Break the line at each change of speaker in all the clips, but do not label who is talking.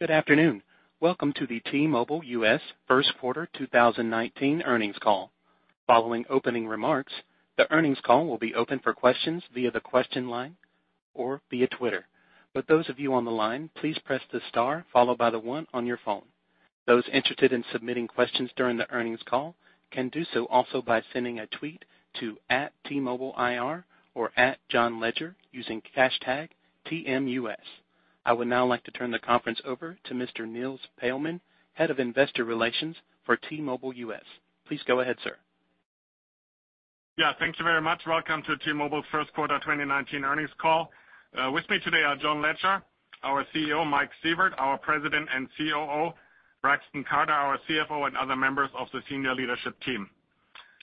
Good afternoon. Welcome to the T-Mobile US first quarter 2019 earnings call. Following opening remarks, the earnings call will be open for questions via the question line or via Twitter. Those of you on the line, please press the star followed by the one on your phone. Those interested in submitting questions during the earnings call can do so also by sending a tweet to @TMobileIR or @JohnLegere using hashtag TMUS. I would now like to turn the conference over to Mr. Nils Paellmann, head of investor relations for T-Mobile US. Please go ahead, sir.
Thank you very much. Welcome to T-Mobile first quarter 2019 earnings call. With me today are John Legere, our CEO, Mike Sievert, our President and COO, Braxton Carter, our CFO, and other members of the senior leadership team.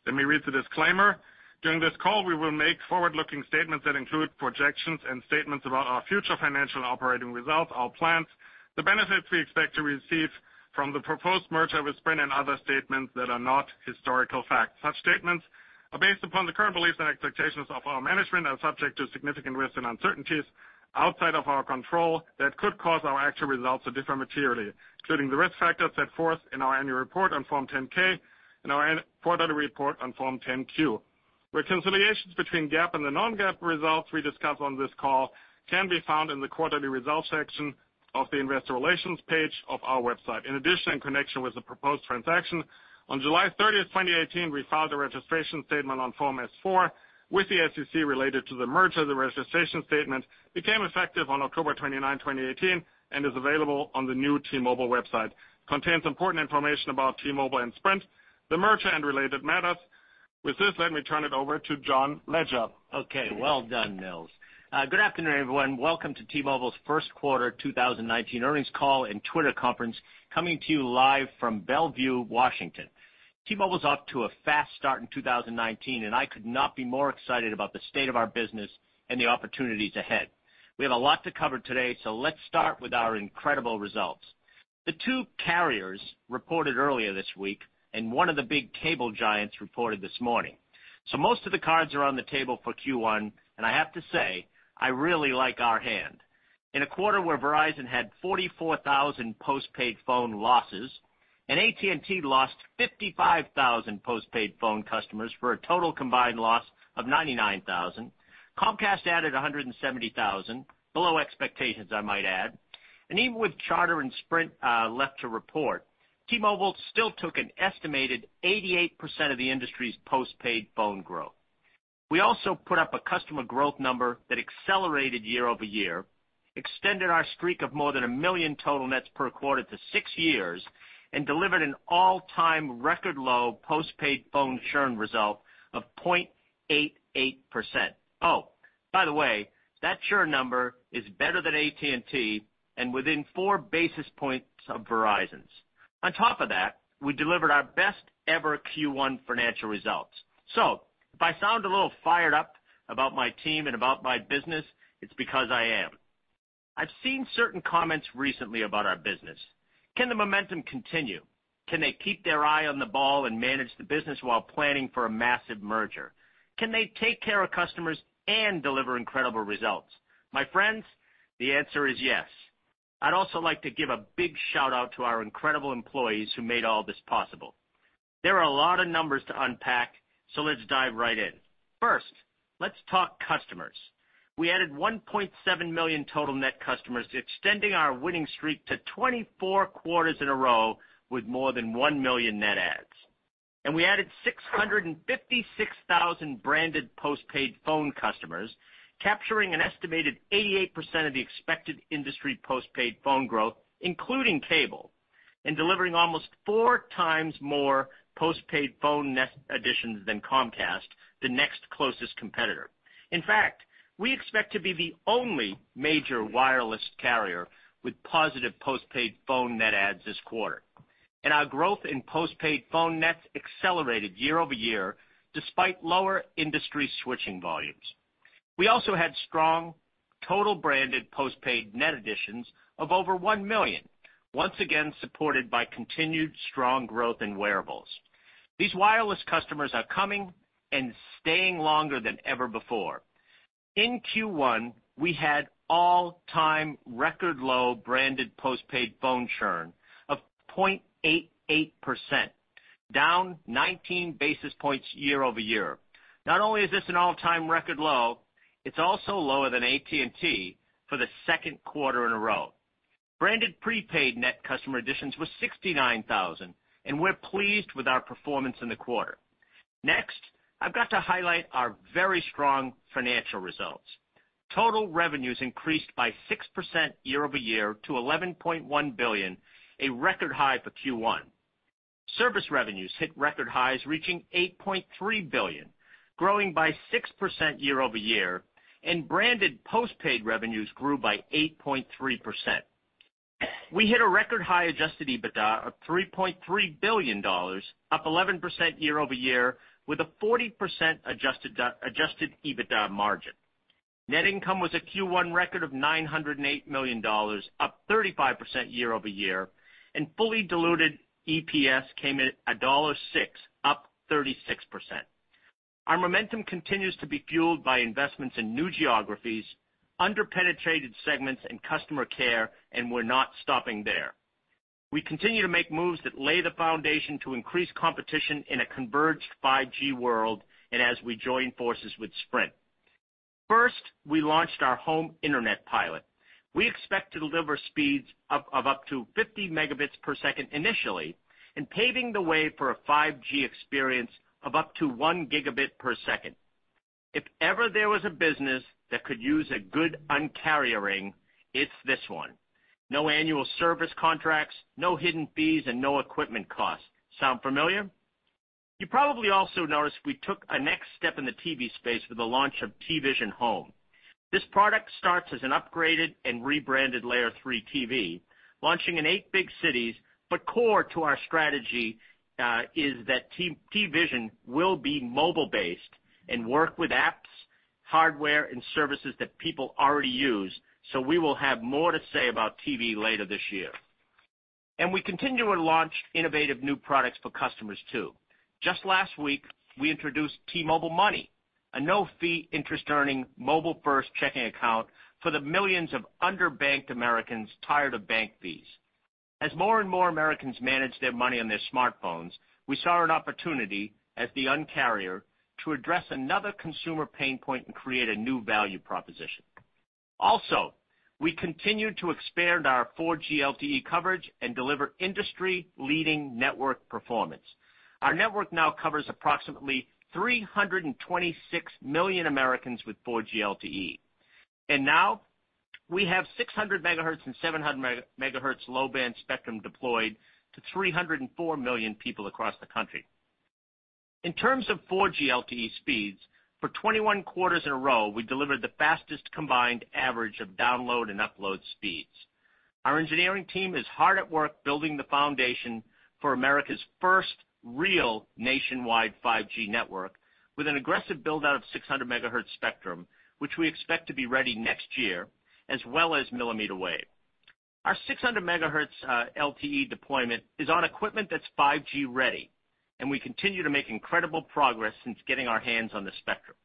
Let me read the disclaimer. During this call, we will make forward-looking statements that include projections and statements about our future financial operating results, our plans, the benefits we expect to receive from the proposed merger with Sprint, and other statements that are not historical facts. Such statements are based upon the current beliefs and expectations of our management and are subject to significant risks and uncertainties outside of our control that could cause our actual results to differ materially, including the risk factors set forth in our annual report on Form 10-K and our quarterly report on Form 10-Q. Reconciliations between GAAP and the non-GAAP results we discuss on this call can be found in the quarterly results section of the investor relations page of our website. In connection with the proposed transaction on July 30th, 2018, we filed a registration statement on Form S-4 with the SEC related to the merger. The registration statement became effective on October 29, 2018, and is available on the New T-Mobile website, contains important information about T-Mobile and Sprint, the merger, and related matters. With this, let me turn it over to John Legere.
Well done, Nils. Good afternoon, everyone. Welcome to T-Mobile's first quarter 2019 earnings call and Twitter conference, coming to you live from Bellevue, Washington. T-Mobile's off to a fast start in 2019, I could not be more excited about the state of our business and the opportunities ahead. We have a lot to cover today, let's start with our incredible results. The two carriers reported earlier this week, one of the big cable giants reported this morning. Most of the cards are on the table for Q1, I have to say, I really like our hand. In a quarter where Verizon had 44,000 postpaid phone losses, AT&T lost 55,000 postpaid phone customers for a total combined loss of 99,000, Comcast added 170,000, below expectations I might add. Even with Charter and Sprint left to report, T-Mobile still took an estimated 88% of the industry's postpaid phone growth. We also put up a customer growth number that accelerated year-over-year, extended our streak of more than a million total nets per quarter to six years, and delivered an all-time record low postpaid phone churn result of 0.88%. By the way, that churn number is better than AT&T and within four basis points of Verizon's. On top of that, we delivered our best ever Q1 financial results. If I sound a little fired up about my team and about my business, it's because I am. I've seen certain comments recently about our business. Can the momentum continue? Can they keep their eye on the ball and manage the business while planning for a massive merger? Can they take care of customers and deliver incredible results? My friends, the answer is yes. I'd also like to give a big shout-out to our incredible employees who made all this possible. There are a lot of numbers to unpack, so let's dive right in. First, let's talk customers. We added $1.7 million total net customers, extending our winning streak to 24 quarters in a row with more than 1 million net adds. We added 656,000 branded postpaid phone customers, capturing an estimated 88% of the expected industry postpaid phone growth, including cable, and delivering almost four times more postpaid phone net additions than Comcast, the next closest competitor. In fact, we expect to be the only major wireless carrier with positive postpaid phone net adds this quarter. Our growth in postpaid phone nets accelerated year-over-year despite lower industry switching volumes. We also had strong total branded postpaid net additions of over 1 million, once again supported by continued strong growth in wearables. These wireless customers are coming and staying longer than ever before. In Q1, we had all-time record low branded postpaid phone churn of 0.88%, down 19 basis points year-over-year. Not only is this an all-time record low, it's also lower than AT&T for the second quarter in a row. Branded prepaid net customer additions was 69,000. We're pleased with our performance in the quarter. Next, I've got to highlight our very strong financial results. Total revenues increased by 6% year-over-year to $11.1 billion, a record high for Q1. Service revenues hit record highs, reaching $8.3 billion, growing by 6% year-over-year. Branded postpaid revenues grew by 8.3%. We hit a record high adjusted EBITDA of $3.3 billion, up 11% year-over-year, with a 40% adjusted EBITDA margin. Net income was a Q1 record of $908 million, up 35% year-over-year, and fully diluted EPS came in at $1.06, up 36%. Our momentum continues to be fueled by investments in new geographies, under-penetrated segments in customer care, and we're not stopping there. We continue to make moves that lay the foundation to increase competition in a converged 5G world and as we join forces with Sprint. First, we launched our home internet pilot. We expect to deliver speeds of up to 50 Mbps initially, and paving the way for a 5G experience of up to 1 Gbps. If ever there was a business that could use a good Un-carriering, it's this one. No annual service contracts, no hidden fees, and no equipment costs. Sound familiar? You probably also noticed we took a next step in the TV space with the launch of TVision Home. This product starts as an upgraded and rebranded Layer3 TV, launching in eight big cities. Core to our strategy is that TVision will be mobile-based and work with apps, hardware, and services that people already use. We will have more to say about TV later this year. We continue to launch innovative new products for customers, too. Just last week, we introduced T-Mobile MONEY, a no-fee interest-earning mobile-first checking account for the millions of underbanked Americans tired of bank fees. As more and more Americans manage their money on their smartphones, we saw an opportunity, as the Un-carrier, to address another consumer pain point and create a new value proposition. Also, we continued to expand our 4G LTE coverage and deliver industry-leading network performance. Our network now covers approximately 326 million Americans with 4G LTE. Now we have 600 MHz and 700 MHz low-band spectrum deployed to 304 million people across the country. In terms of 4G LTE speeds, for 21 quarters in a row, we delivered the fastest combined average of download and upload speeds. Our engineering team is hard at work building the foundation for America's first real nationwide 5G network with an aggressive build-out of 600 MHz spectrum, which we expect to be ready next year, as well as mmWave. Our 600 MHz LTE deployment is on equipment that's 5G-ready, and we continue to make incredible progress since getting our hands on the spectrum.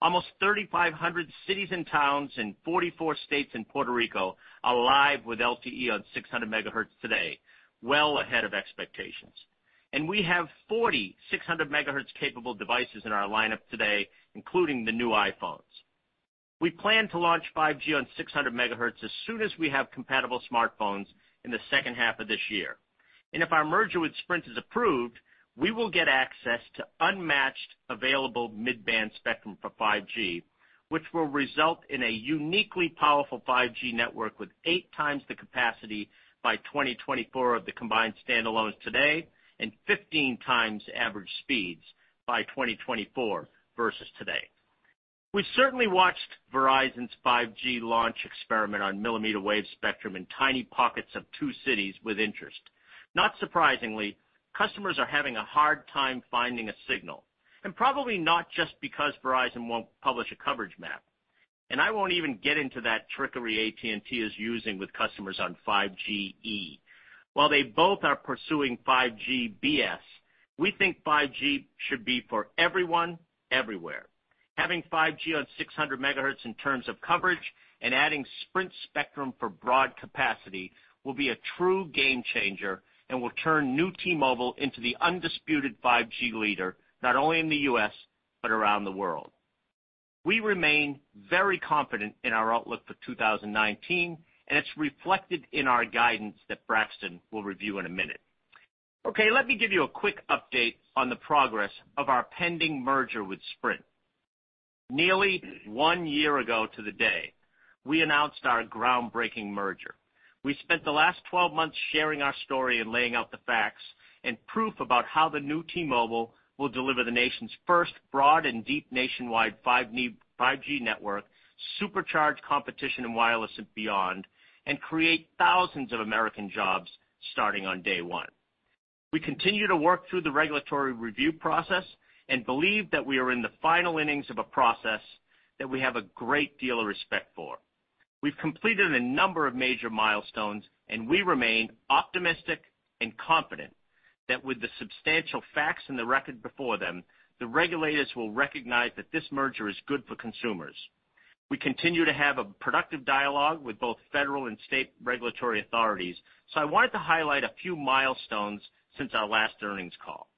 Almost 3,500 cities and towns in 44 states and Puerto Rico are live with LTE on 600 MHz today, well ahead of expectations. We have 4,600 MHz-capable devices in our lineup today, including the new iPhones. We plan to launch 5G on 600 MHz as soon as we have compatible smartphones in the second half of this year. If our merger with Sprint is approved, we will get access to unmatched available mid-band spectrum for 5G, which will result in a uniquely powerful 5G network with eight times the capacity by 2024 of the combined standalones today, and 15 times average speeds by 2024 versus today. We certainly watched Verizon's 5G launch experiment on mmWave spectrum in tiny pockets of two cities with interest. Not surprisingly, customers are having a hard time finding a signal, and probably not just because Verizon won't publish a coverage map. I won't even get into that trickery AT&T is using with customers on 5G E. While they both are pursuing 5G BS, we think 5G should be for everyone, everywhere. Having 5G on 600 MHz in terms of coverage and adding Sprint spectrum for broad capacity will be a true game changer and will turn New T-Mobile into the undisputed 5G leader, not only in the U.S., but around the world. We remain very confident in our outlook for 2019. It's reflected in our guidance that Braxton will review in a minute. Okay, let me give you a quick update on the progress of our pending merger with Sprint. Nearly one year ago to the day, we announced our groundbreaking merger. We spent the last 12 months sharing our story and laying out the facts and proof about how the New T-Mobile will deliver the nation's first broad and deep nationwide 5G network, supercharge competition in wireless and beyond, and create thousands of American jobs starting on day one. We continue to work through the regulatory review process and believe that we are in the final innings of a process that we have a great deal of respect for. We've completed a number of major milestones, and we remain optimistic and confident that with the substantial facts and the record before them, the regulators will recognize that this merger is good for consumers. We continue to have a productive dialogue with both federal and state regulatory authorities. I wanted to highlight a few milestones since our last earnings call.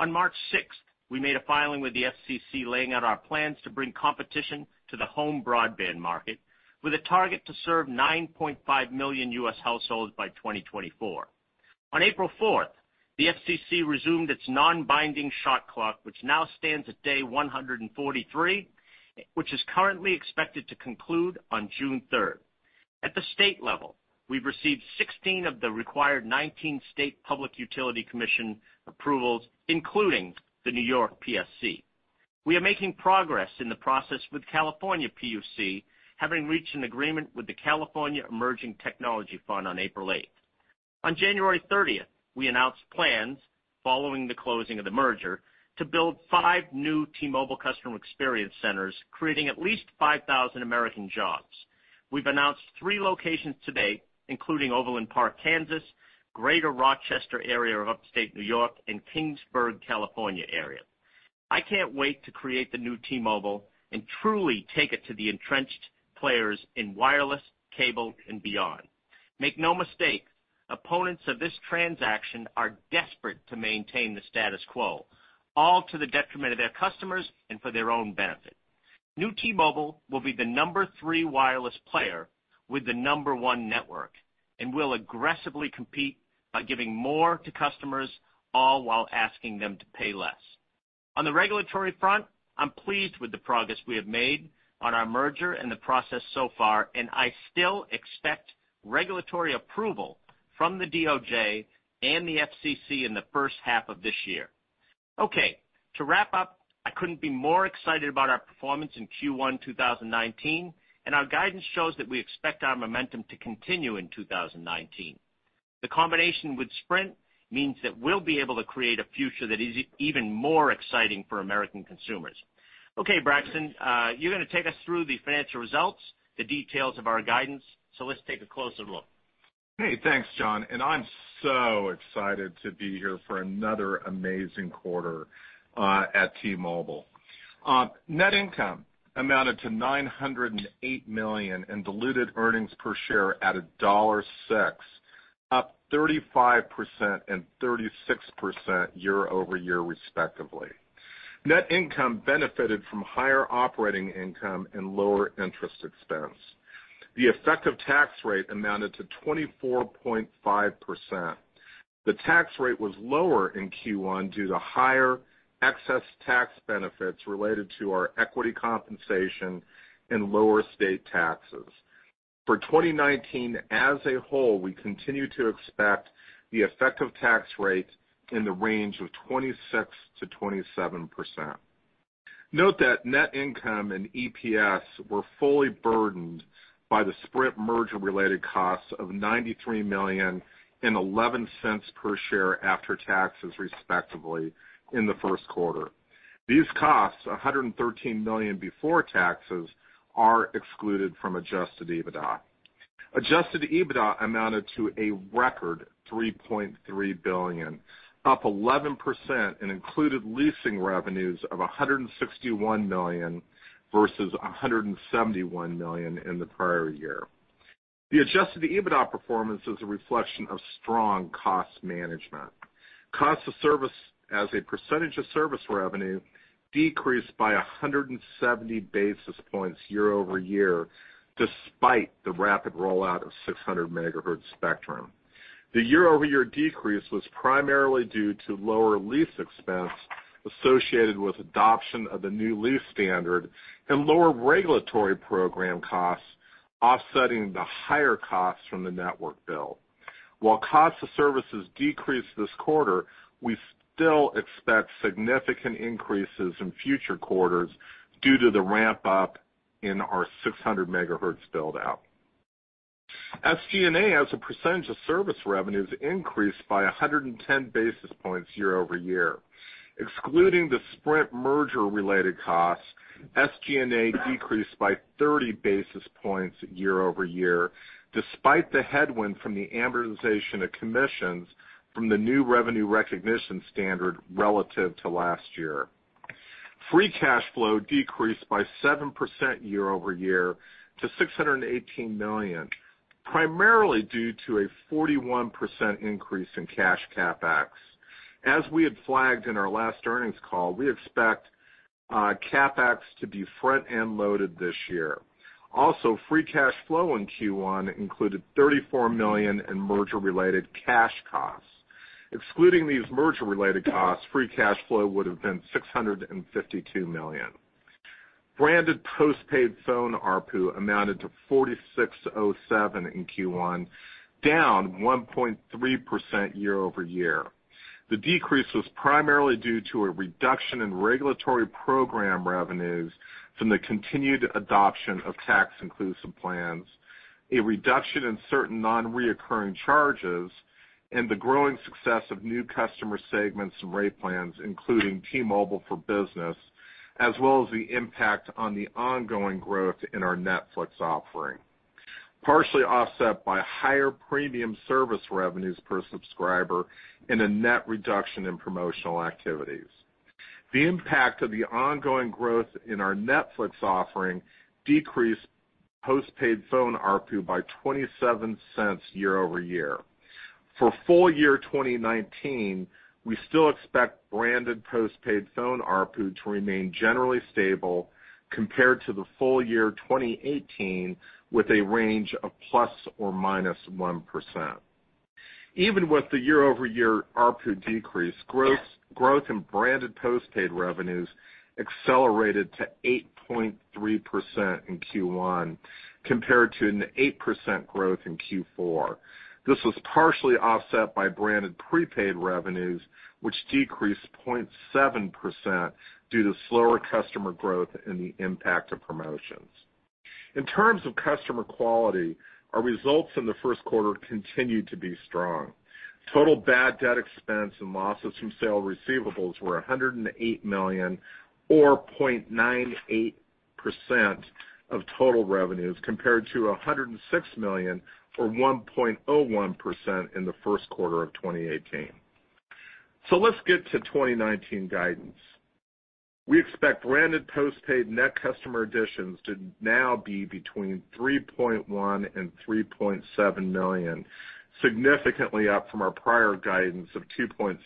On March 6th, we made a filing with the FCC laying out our plans to bring competition to the home broadband market with a target to serve 9.5 million U.S. households by 2024. On April 4th, the FCC resumed its non-binding shot clock, which now stands at day 143, which is currently expected to conclude on June 3rd. At the state level, we've received 16 of the required 19 state Public Utility Commission approvals, including the New York PSC. We are making progress in the process with California PUC, having reached an agreement with the California Emerging Technology Fund on April 8th. On January 30th, we announced plans following the closing of the merger to build five New T-Mobile customer experience centers, creating at least 5,000 American jobs. We've announced three locations today, including Overland Park, Kansas, greater Rochester area of upstate New York, and Kingsburg, California, area. I can't wait to create the New T-Mobile and truly take it to the entrenched players in wireless, cable, and beyond. Make no mistake, opponents of this transaction are desperate to maintain the status quo, all to the detriment of their customers and for their own benefit. New T-Mobile will be the number three wireless player with the number one network, and we'll aggressively compete by giving more to customers, all while asking them to pay less. On the regulatory front, I'm pleased with the progress we have made on our merger and the process so far, and I still expect regulatory approval from the DOJ and the FCC in the first half of this year. To wrap up, I couldn't be more excited about our performance in Q1 2019, and our guidance shows that we expect our momentum to continue in 2019. The combination with Sprint means that we'll be able to create a future that is even more exciting for American consumers. Braxton, you're going to take us through the financial results, the details of our guidance, let's take a closer look.
Hey, thanks, John. I'm so excited to be here for another amazing quarter at T-Mobile. Net income amounted to $908 million in diluted earnings per share at $1.06, up 35% and 36% year-over-year respectively. Net income benefited from higher operating income and lower interest expense. The effective tax rate amounted to 24.5%. The tax rate was lower in Q1 due to higher excess tax benefits related to our equity compensation and lower state taxes. For 2019 as a whole, we continue to expect the effective tax rate in the range of 26%-27%. Note that net income and EPS were fully burdened by the Sprint merger-related costs of $93 million and $0.11 per share after taxes respectively in the first quarter. These costs, $113 million before taxes, are excluded from adjusted EBITDA. Adjusted EBITDA amounted to a record $3.3 billion, up 11%. Included leasing revenues of $161 million versus $171 million in the prior year. The adjusted EBITDA performance is a reflection of strong cost management. Cost of service as a percentage of service revenue decreased by 170 basis points year-over-year, despite the rapid rollout of 600 MHz spectrum. The year-over-year decrease was primarily due to lower lease expense associated with adoption of the new lease standard and lower regulatory program costs offsetting the higher costs from the network build. While cost of services decreased this quarter, we still expect significant increases in future quarters due to the ramp up in our 600 MHz build-out. SG&A as a percentage of service revenues increased by 110 basis points year-over-year. Excluding the Sprint merger-related costs, SG&A decreased by 30 basis points year-over-year, despite the headwind from the amortization of commissions from the new revenue recognition standard relative to last year. Free cash flow decreased by 7% year-over-year to $618 million, primarily due to a 41% increase in cash CapEx. As we had flagged in our last earnings call, we expect CapEx to be front-end loaded this year. Free cash flow in Q1 included $34 million in merger-related cash costs. Excluding these merger-related costs, free cash flow would've been $652 million. Branded postpaid phone ARPU amounted to $46.07 in Q1, down 1.3% year-over-year. The decrease was primarily due to a reduction in regulatory program revenues from the continued adoption of tax-inclusive plans, a reduction in certain non-reoccurring charges, and the growing success of new customer segments and rate plans, including T-Mobile for Business, as well as the impact on the ongoing growth in our Netflix offering, partially offset by higher premium service revenues per subscriber and a net reduction in promotional activities. The impact of the ongoing growth in our Netflix offering decreased postpaid phone ARPU by $0.27 year-over-year. For full year 2019, we still expect branded postpaid phone ARPU to remain generally stable compared to the full year 2018, with a range of ±1%. Even with the year-over-year ARPU decrease, growth in branded postpaid revenues accelerated to 8.3% in Q1, compared to an 8% growth in Q4. This was partially offset by branded prepaid revenues, which decreased 0.7% due to slower customer growth and the impact of promotions. In terms of customer quality, our results in the first quarter continued to be strong. Total bad debt expense and losses from sale receivables were $108 million, or 0.98% of total revenues compared to $106 million or 1.01% in the first quarter of 2018. Let's get to 2019 guidance. We expect branded postpaid net customer additions to now be between 3.1 million and 3.7 million, significantly up from our prior guidance of 2.6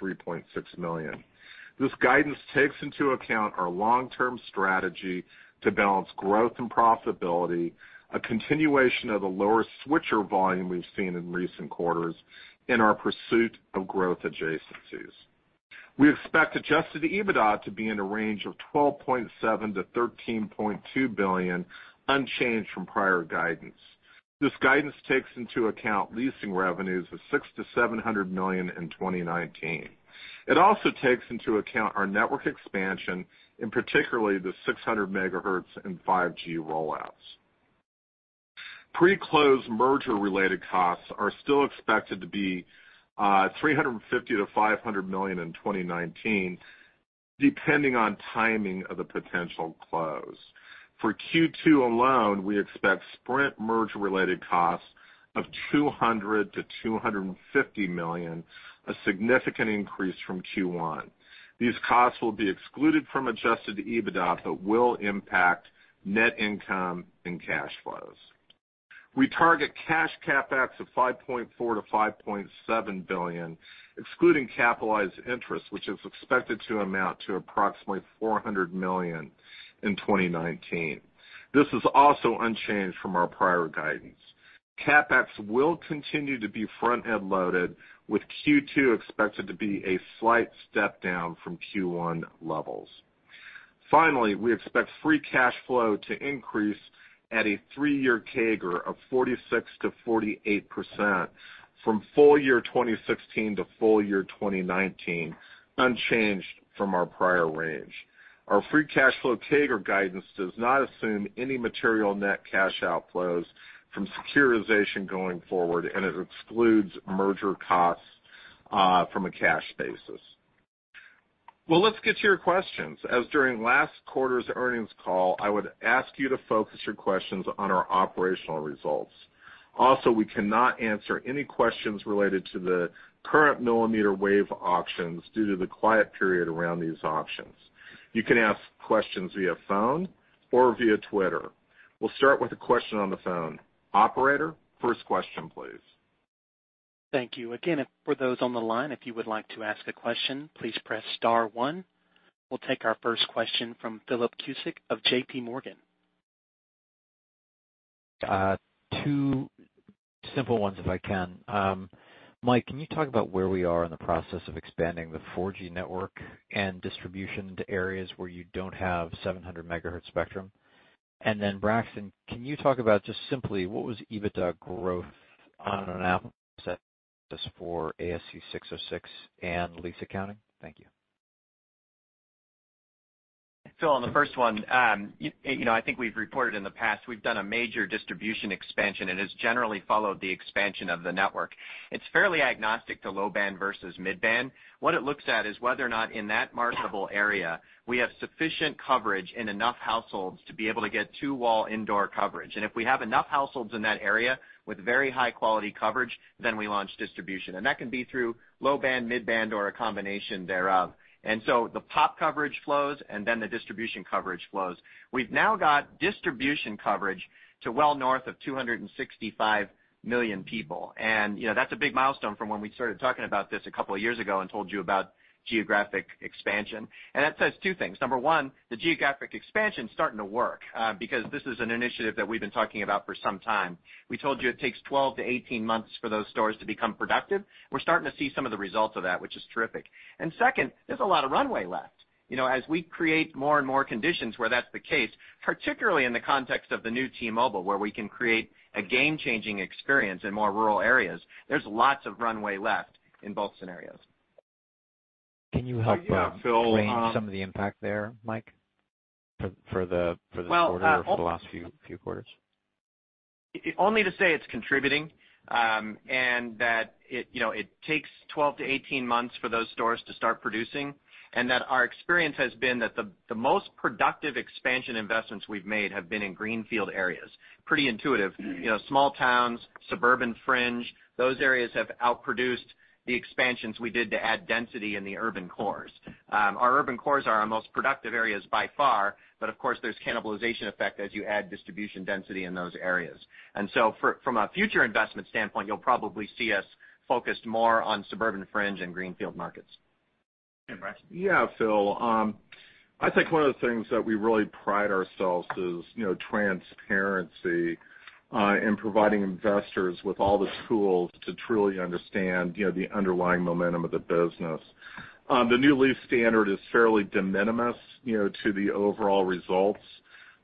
million-3.6 million. This guidance takes into account our long-term strategy to balance growth and profitability, a continuation of the lower switcher volume we've seen in recent quarters in our pursuit of growth adjacencies. We expect adjusted EBITDA to be in a range of $12.7 billion-$13.2 billion, unchanged from prior guidance. This guidance takes into account leasing revenues of $600 million-$700 million in 2019. It also takes into account our network expansion, and particularly the 600 MHz and 5G rollouts. Pre-close merger-related costs are still expected to be $350 million-$500 million in 2019, depending on timing of the potential close. For Q2 alone, we expect Sprint merger-related costs of $200 million to $250 million, a significant increase from Q1. These costs will be excluded from adjusted EBITDA but will impact net income and cash flows. We target cash CapEx of $5.4 billion-$5.7 billion, excluding capitalized interest, which is expected to amount to approximately $400 million in 2019. This is also unchanged from our prior guidance. CapEx will continue to be front-end loaded, with Q2 expected to be a slight step down from Q1 levels. Finally, we expect free cash flow to increase at a three-year CAGR of 46%-48% from full year 2016 to full year 2019, unchanged from our prior range. Our free cash flow CAGR guidance does not assume any material net cash outflows from securitization going forward, and it excludes merger costs from a cash basis. Let's get to your questions. As during last quarter's earnings call, I would ask you to focus your questions on our operational results. We cannot answer any questions related to the current millimeter wave auctions due to the quiet period around these auctions. You can ask questions via phone or via Twitter. We'll start with a question on the phone. Operator, first question please.
Thank you. Again, for those on the line, if you would like to ask a question, please press star one. We'll take our first question from Philip Cusick of JPMorgan.
Two simple ones, if I can. Mike, can you talk about where we are in the process of expanding the 4G network and distribution to areas where you don't have 700 MHz spectrum? Braxton, can you talk about just simply what was EBITDA growth on an apples basis for ASC 606 and lease accounting? Thank you.
Phil, on the first one, I think we've reported in the past, we've done a major distribution expansion and has generally followed the expansion of the network. It's fairly agnostic to low band versus mid band. What it looks at is whether or not in that marketable area, we have sufficient coverage in enough households to be able to get two-wall indoor coverage. If we have enough households in that area with very high-quality coverage, then we launch distribution. That can be through low band, mid band, or a combination thereof. The pop coverage flows then the distribution coverage flows. We've now got distribution coverage to well north of 265 million people. That's a big milestone from when we started talking about this a couple of years ago and told you about geographic expansion. That says two things. Number one, the geographic expansion's starting to work, because this is an initiative that we've been talking about for some time. We told you it takes 12-18 months for those stores to become productive. We're starting to see some of the results of that, which is terrific. Second, there's a lot of runway left. As we create more and more conditions where that's the case, particularly in the context of the New T-Mobile, where we can create a game-changing experience in more rural areas, there's lots of runway left in both scenarios.
Can you help-
Yeah, Phil.
-Frame some of the impact there, Mike, for the quarter or for the last few quarters?
Only to say it's contributing, and that it takes 12-18 months for those stores to start producing, and that our experience has been that the most productive expansion investments we've made have been in greenfield areas. Pretty intuitive. Small towns, suburban fringe, those areas have outproduced the expansions we did to add density in the urban cores. Our urban cores are our most productive areas by far, but of course, there's cannibalization effect as you add distribution density in those areas. From a future investment standpoint, you'll probably see us focused more on suburban fringe and greenfield markets.
Braxton?
Yeah, Phil. I think one of the things that we really pride ourselves is transparency in providing investors with all the tools to truly understand the underlying momentum of the business. The new lease standard is fairly de minimis to the overall results.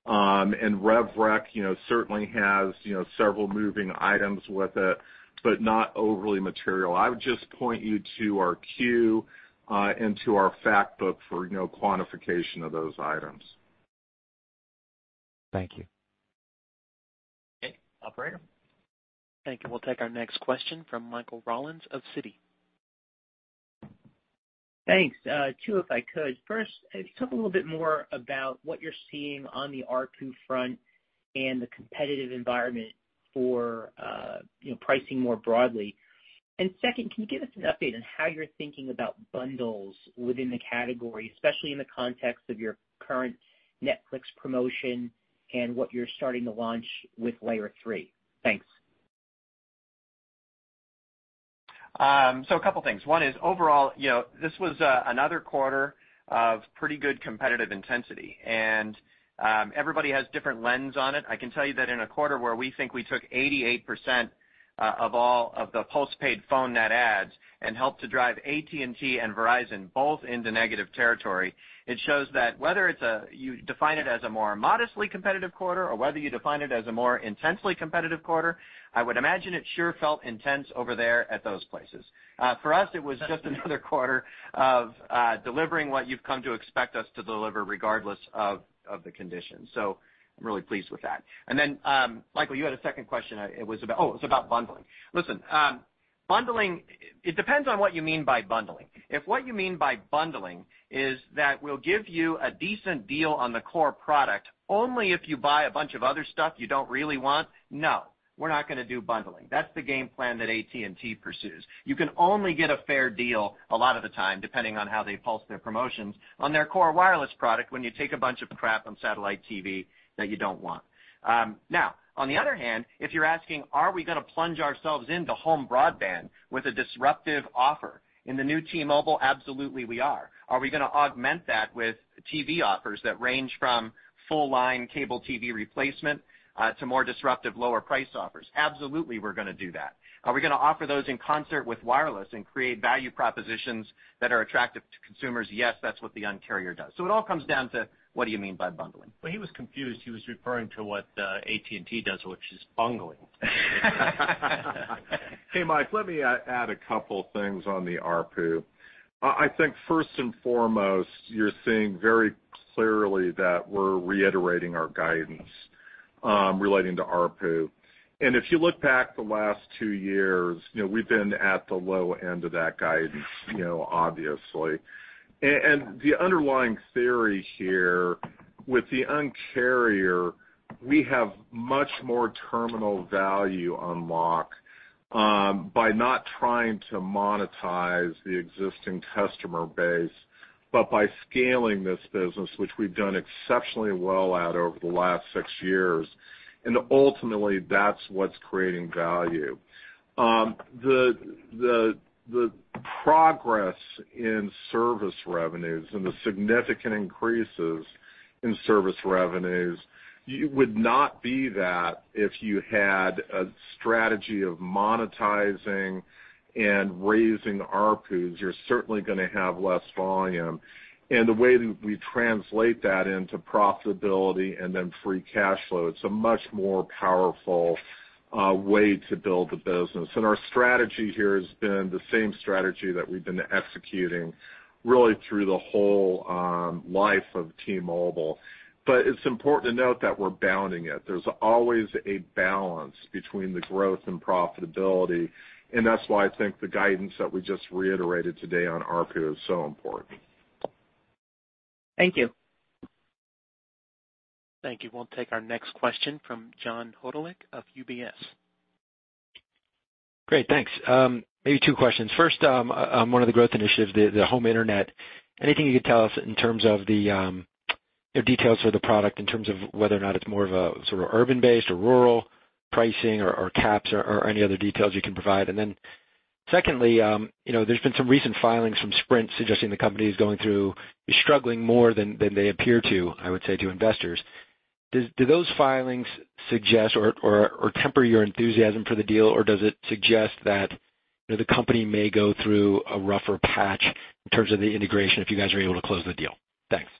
Rev rec certainly has several moving items with it, but not overly material. I would just point you to our Q and to our fact book for quantification of those items.
Thank you.
Okay, operator.
Thank you. We'll take our next question from Michael Rollins of Citigroup.
Thanks. Two, if I could. First, can you talk a little bit more about what you're seeing on the ARPU front and the competitive environment for pricing more broadly? Second, can you give us an update on how you're thinking about bundles within the category, especially in the context of your current Netflix promotion and what you're starting to launch with Layer3? Thanks.
A couple things. One is overall, this was another quarter of pretty good competitive intensity, and everybody has different lens on it. I can tell you that in a quarter where we think we took 88% of all of the postpaid phone net adds and helped to drive AT&T and Verizon both into negative territory, it shows that whether you define it as a more modestly competitive quarter, or whether you define it as a more intensely competitive quarter, I would imagine it sure felt intense over there at those places. For us, it was just another quarter of delivering what you've come to expect us to deliver regardless of the conditions. I'm really pleased with that. Michael, you had a second question, it was about bundling. Listen, bundling, it depends on what you mean by bundling. If what you mean by bundling is that we'll give you a decent deal on the core product only if you buy a bunch of other stuff you don't really want, no, we're not going to do bundling. That's the game plan that AT&T pursues. You can only get a fair deal a lot of the time, depending on how they pulse their promotions on their core wireless product when you take a bunch of crap on satellite TV that you don't want. On the other hand, if you're asking, are we going to plunge ourselves into home broadband with a disruptive offer? In the New T-Mobile, absolutely we are. Are we going to augment that with TV offers that range from full-line cable TV replacement to more disruptive, lower price offers? Absolutely, we're going to do that. Are we going to offer those in concert with wireless and create value propositions that are attractive to consumers? Yes, that's what the Un-carrier does. It all comes down to, what do you mean by bundling?
He was confused. He was referring to what AT&T does, which is bungling.
Hey, Mike, let me add a couple things on the ARPU. First and foremost, you're seeing very clearly that we're reiterating our guidance relating to ARPU. If you look back the last two years, we've been at the low end of that guidance, obviously. The underlying theory here with the Un-carrier, we have much more terminal value unlock by not trying to monetize the existing customer base, but by scaling this business, which we've done exceptionally well at over the last six years. Ultimately, that's what's creating value. The progress in service revenues and the significant increases in service revenues would not be that if you had a strategy of monetizing and raising ARPUs. You're certainly going to have less volume. The way that we translate that into profitability and then free cash flow, it's a much more powerful way to build the business. Our strategy here has been the same strategy that we've been executing really through the whole life of T-Mobile. It's important to note that we're bounding it. There's always a balance between the growth and profitability, and that's why I think the guidance that we just reiterated today on ARPU is so important.
Thank you.
Thank you. We'll take our next question from John Hodulik of UBS.
Great. Thanks. Maybe two questions. First, on one of the growth initiatives, the home internet. Anything you could tell us in terms of the details for the product, in terms of whether or not it's more of a sort of urban-based or rural pricing or caps or any other details you can provide? Secondly, there's been some recent filings from Sprint suggesting the company is struggling more than they appear to, I would say, to investors. Do those filings suggest or temper your enthusiasm for the deal, or does it suggest that the company may go through a rougher patch in terms of the integration if you guys are able to close the deal? Thanks.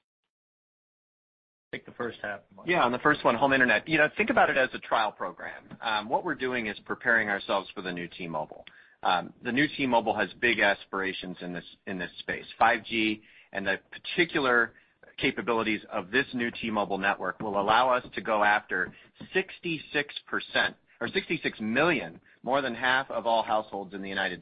Take the first half, Mike.
On the first one, home internet. Think about it as a trial program. What we're doing is preparing ourselves for the New T-Mobile. The New T-Mobile has big aspirations in this space. 5G and the particular capabilities of this New T-Mobile network will allow us to go after 66%, or 66 million, more than half of all households in the U.S.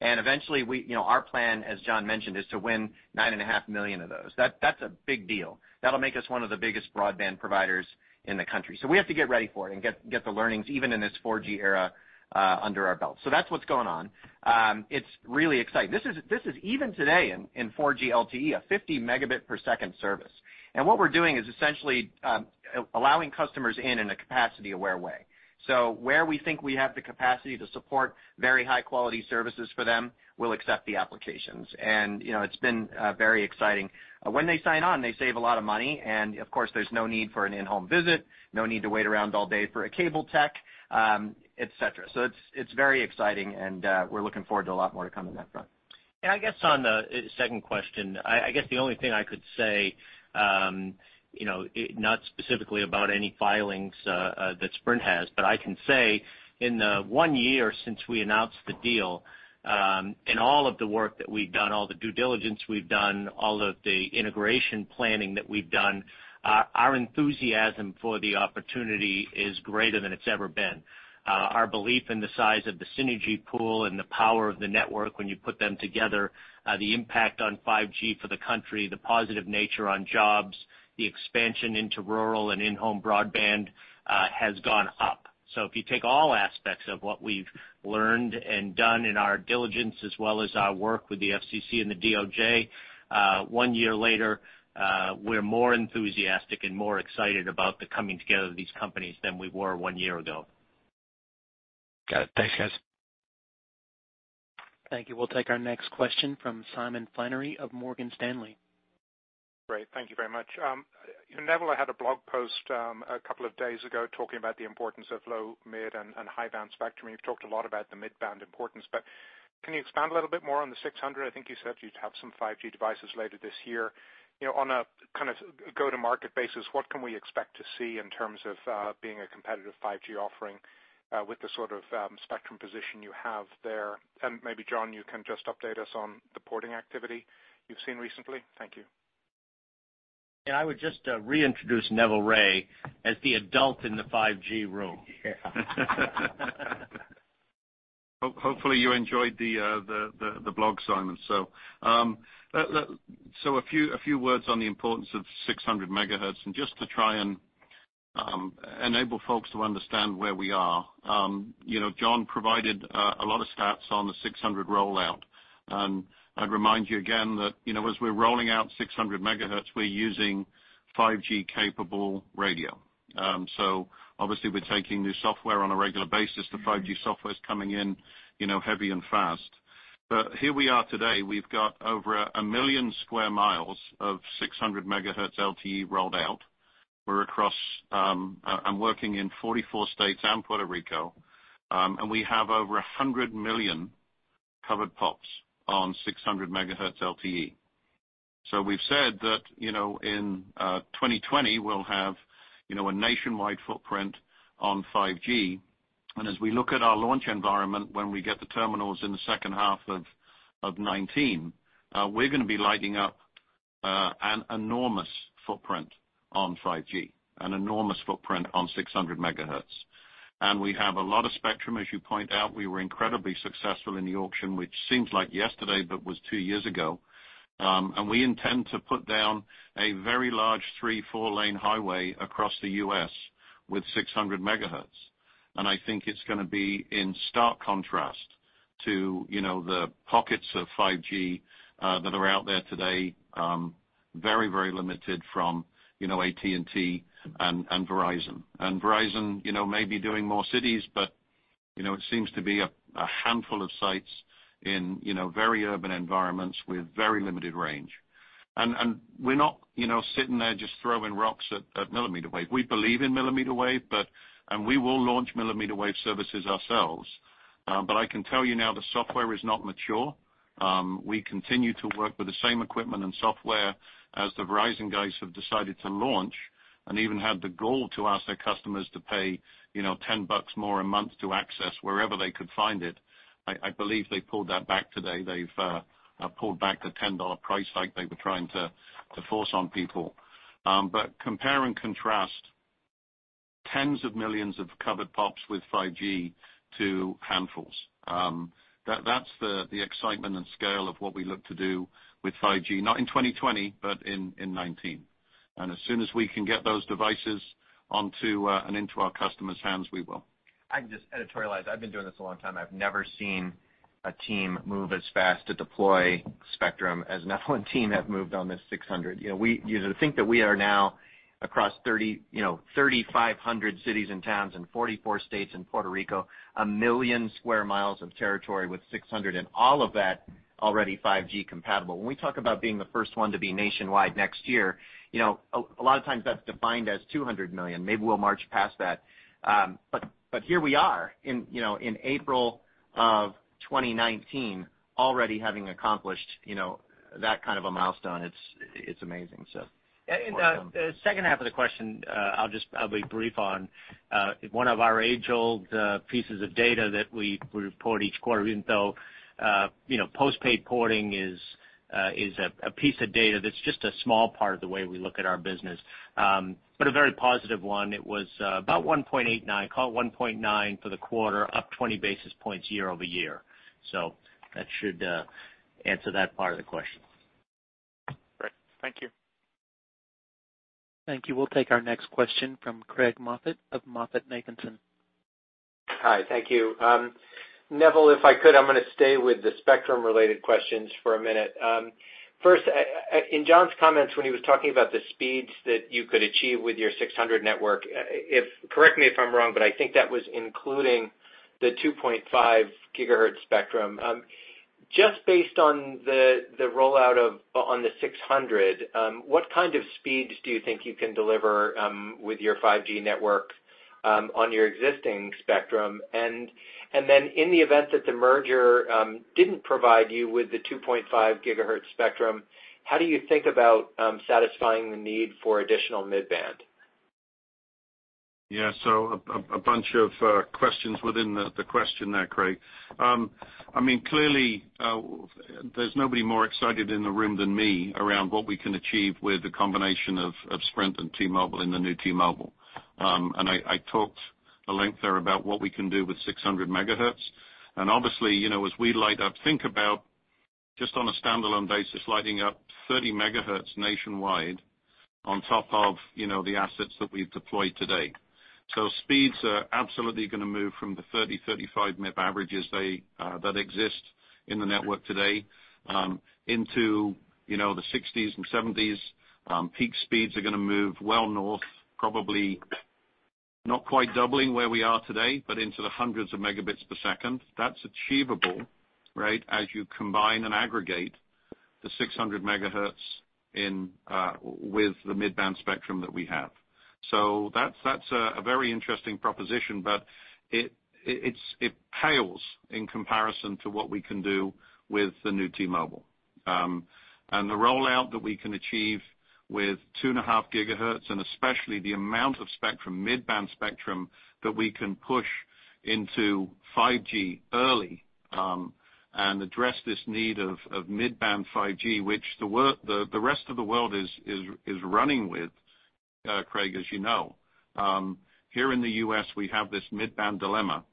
Eventually, our plan, as John mentioned, is to win 9.5 million of those. That's a big deal. That'll make us one of the biggest broadband providers in the country. We have to get ready for it and get the learnings, even in this 4G era, under our belt. That's what's going on. It's really exciting. This is even today in 4G LTE, a 50 megabit per second service. What we're doing is essentially allowing customers in a capacity-aware way. Where we think we have the capacity to support very high-quality services for them, we'll accept the applications. It's been very exciting. When they sign on, they save a lot of money, and of course, there's no need for an in-home visit, no need to wait around all day for a cable tech, et cetera. It's very exciting, and we're looking forward to a lot more to come on that front.
I guess on the second question, I guess the only thing I could say, not specifically about any filings that Sprint has, but I can say in the one year since we announced the deal, in all of the work that we've done, all the due diligence we've done, all of the integration planning that we've done, our enthusiasm for the opportunity is greater than it's ever been. Our belief in the size of the synergy pool and the power of the network when you put them together, the impact on 5G for the country, the positive nature on jobs, the expansion into rural and in-home broadband, has gone up. If you take all aspects of what we've learned and done in our diligence, as well as our work with the FCC and the DOJ, one year later, we're more enthusiastic and more excited about the coming together of these companies than we were one year ago.
Got it. Thanks, guys.
Thank you. We'll take our next question from Simon Flannery of Morgan Stanley.
Great. Thank you very much. Neville had a blog post, a couple of days ago talking about the importance of low, mid, and high-band spectrum. You've talked a lot about the mid-band importance. Can you expand a little bit more on the 600? I think you said you'd have some 5G devices later this year. On a go-to-market basis, what can we expect to see in terms of being a competitive 5G offering, with the sort of spectrum position you have there? Maybe, John, you can just update us on the porting activity you've seen recently. Thank you.
Yeah, I would just reintroduce Neville Ray as the adult in the 5G room.
Yeah.
Hopefully, you enjoyed the blog, Simon. A few words on the importance of 600 MHz and just to try and enable folks to understand where we are. John provided a lot of stats on the 600 rollout. I'd remind you again that as we're rolling out 600 MHz, we're using 5G-capable radio. Obviously, we're taking new software on a regular basis. The 5G software's coming in heavy and fast. Here we are today. We've got over 1 million sq mi of 600 MHz LTE rolled out. We're across and working in 44 states and Puerto Rico. We have over 100 million covered pops on 600 MHz LTE. We've said that in 2020, we'll have a nationwide footprint on 5G. As we look at our launch environment, when we get the terminals in the second half of 2019, we're going to be lighting up an enormous footprint on 5G, an enormous footprint on 600 MHz. We have a lot of spectrum, as you point out. We were incredibly successful in the auction, which seems like yesterday, but was two years ago. We intend to put down a very large three, four-lane highway across the U.S. with 600 MHz. I think it's going to be in stark contrast to the pockets of 5G that are out there today. Very, very limited from AT&T and Verizon. Verizon may be doing more cities, but it seems to be a handful of sites in very urban environments with very limited range. We're not sitting there just throwing rocks at millimeter wave. We believe in millimeter wave, and we will launch millimeter wave services ourselves. I can tell you now, the software is not mature. We continue to work with the same equipment and software as the Verizon guys have decided to launch and even had the gall to ask their customers to pay $10 more a month to access wherever they could find it. I believe they pulled that back today. They've pulled back the $10 price hike they were trying to force on people. Compare and contrast tens of millions of covered pops with 5G to handfuls. That's the excitement and scale of what we look to do with 5G, not in 2020, but in 2019. As soon as we can get those devices onto and into our customers' hands, we will.
I can just editorialize. I've been doing this a long time. I've never seen a team move as fast to deploy spectrum as Neville and team have moved on this 600. To think that we are now across 3,500 cities and towns in 44 states in Puerto Rico, a million square miles of territory with 600 and all of that already 5G compatible. When we talk about being the first one to be nationwide next year, a lot of times that's defined as 200 million. Maybe we'll march past that. Here we are in April of 2019 already having accomplished that kind of a milestone. It's amazing. The second half of the question, I'll be brief on, one of our age-old pieces of data that we report each quarter, even though postpaid porting is a piece of data that's just a small part of the way we look at our business, but a very positive one. It was about 1.89, call it 1.9 for the quarter, up 20 basis points year-over-year. That should answer that part of the question.
Great. Thank you.
Thank you. We'll take our next question from Craig Moffett of MoffettNathanson.
Hi. Thank you. Neville, if I could, I'm going to stay with the spectrum-related questions for a minute. First, in John's comments when he was talking about the speeds that you could achieve with your 600 MHz network, correct me if I'm wrong, but I think that was including the 2.5 GHz spectrum. Just based on the rollout on the 600 MHz, what kind of speeds do you think you can deliver with your 5G network on your existing spectrum? In the event that the merger didn't provide you with the 2.5 GHz spectrum, how do you think about satisfying the need for additional mid-band?
Yeah. A bunch of questions within the question there, Craig. Clearly, there's nobody more excited in the room than me around what we can achieve with the combination of Sprint and T-Mobile in the New T-Mobile. I talked at length there about what we can do with 600 MHz. As we light up, think about Just on a standalone basis, lighting up 30 MHz nationwide on top of the assets that we've deployed today. Speeds are absolutely going to move from the 30, 35 Mbps averages that exist in the network today into the 60s and 70s. Peak speeds are going to move well north, probably not quite doubling where we are today, but into the hundreds of megabits per second. That's achievable, as you combine and aggregate the 600 MHz with the mid-band spectrum that we have. That's a very interesting proposition, but it pales in comparison to what we can do with the New T-Mobile. The rollout that we can achieve with 2.5 GHz, and especially the amount of spectrum, mid-band spectrum, that we can push into 5G early and address this need of mid-band 5G, which the rest of the world is running with, Craig, as you know. Here in the U.S., we have this mid-band dilemma.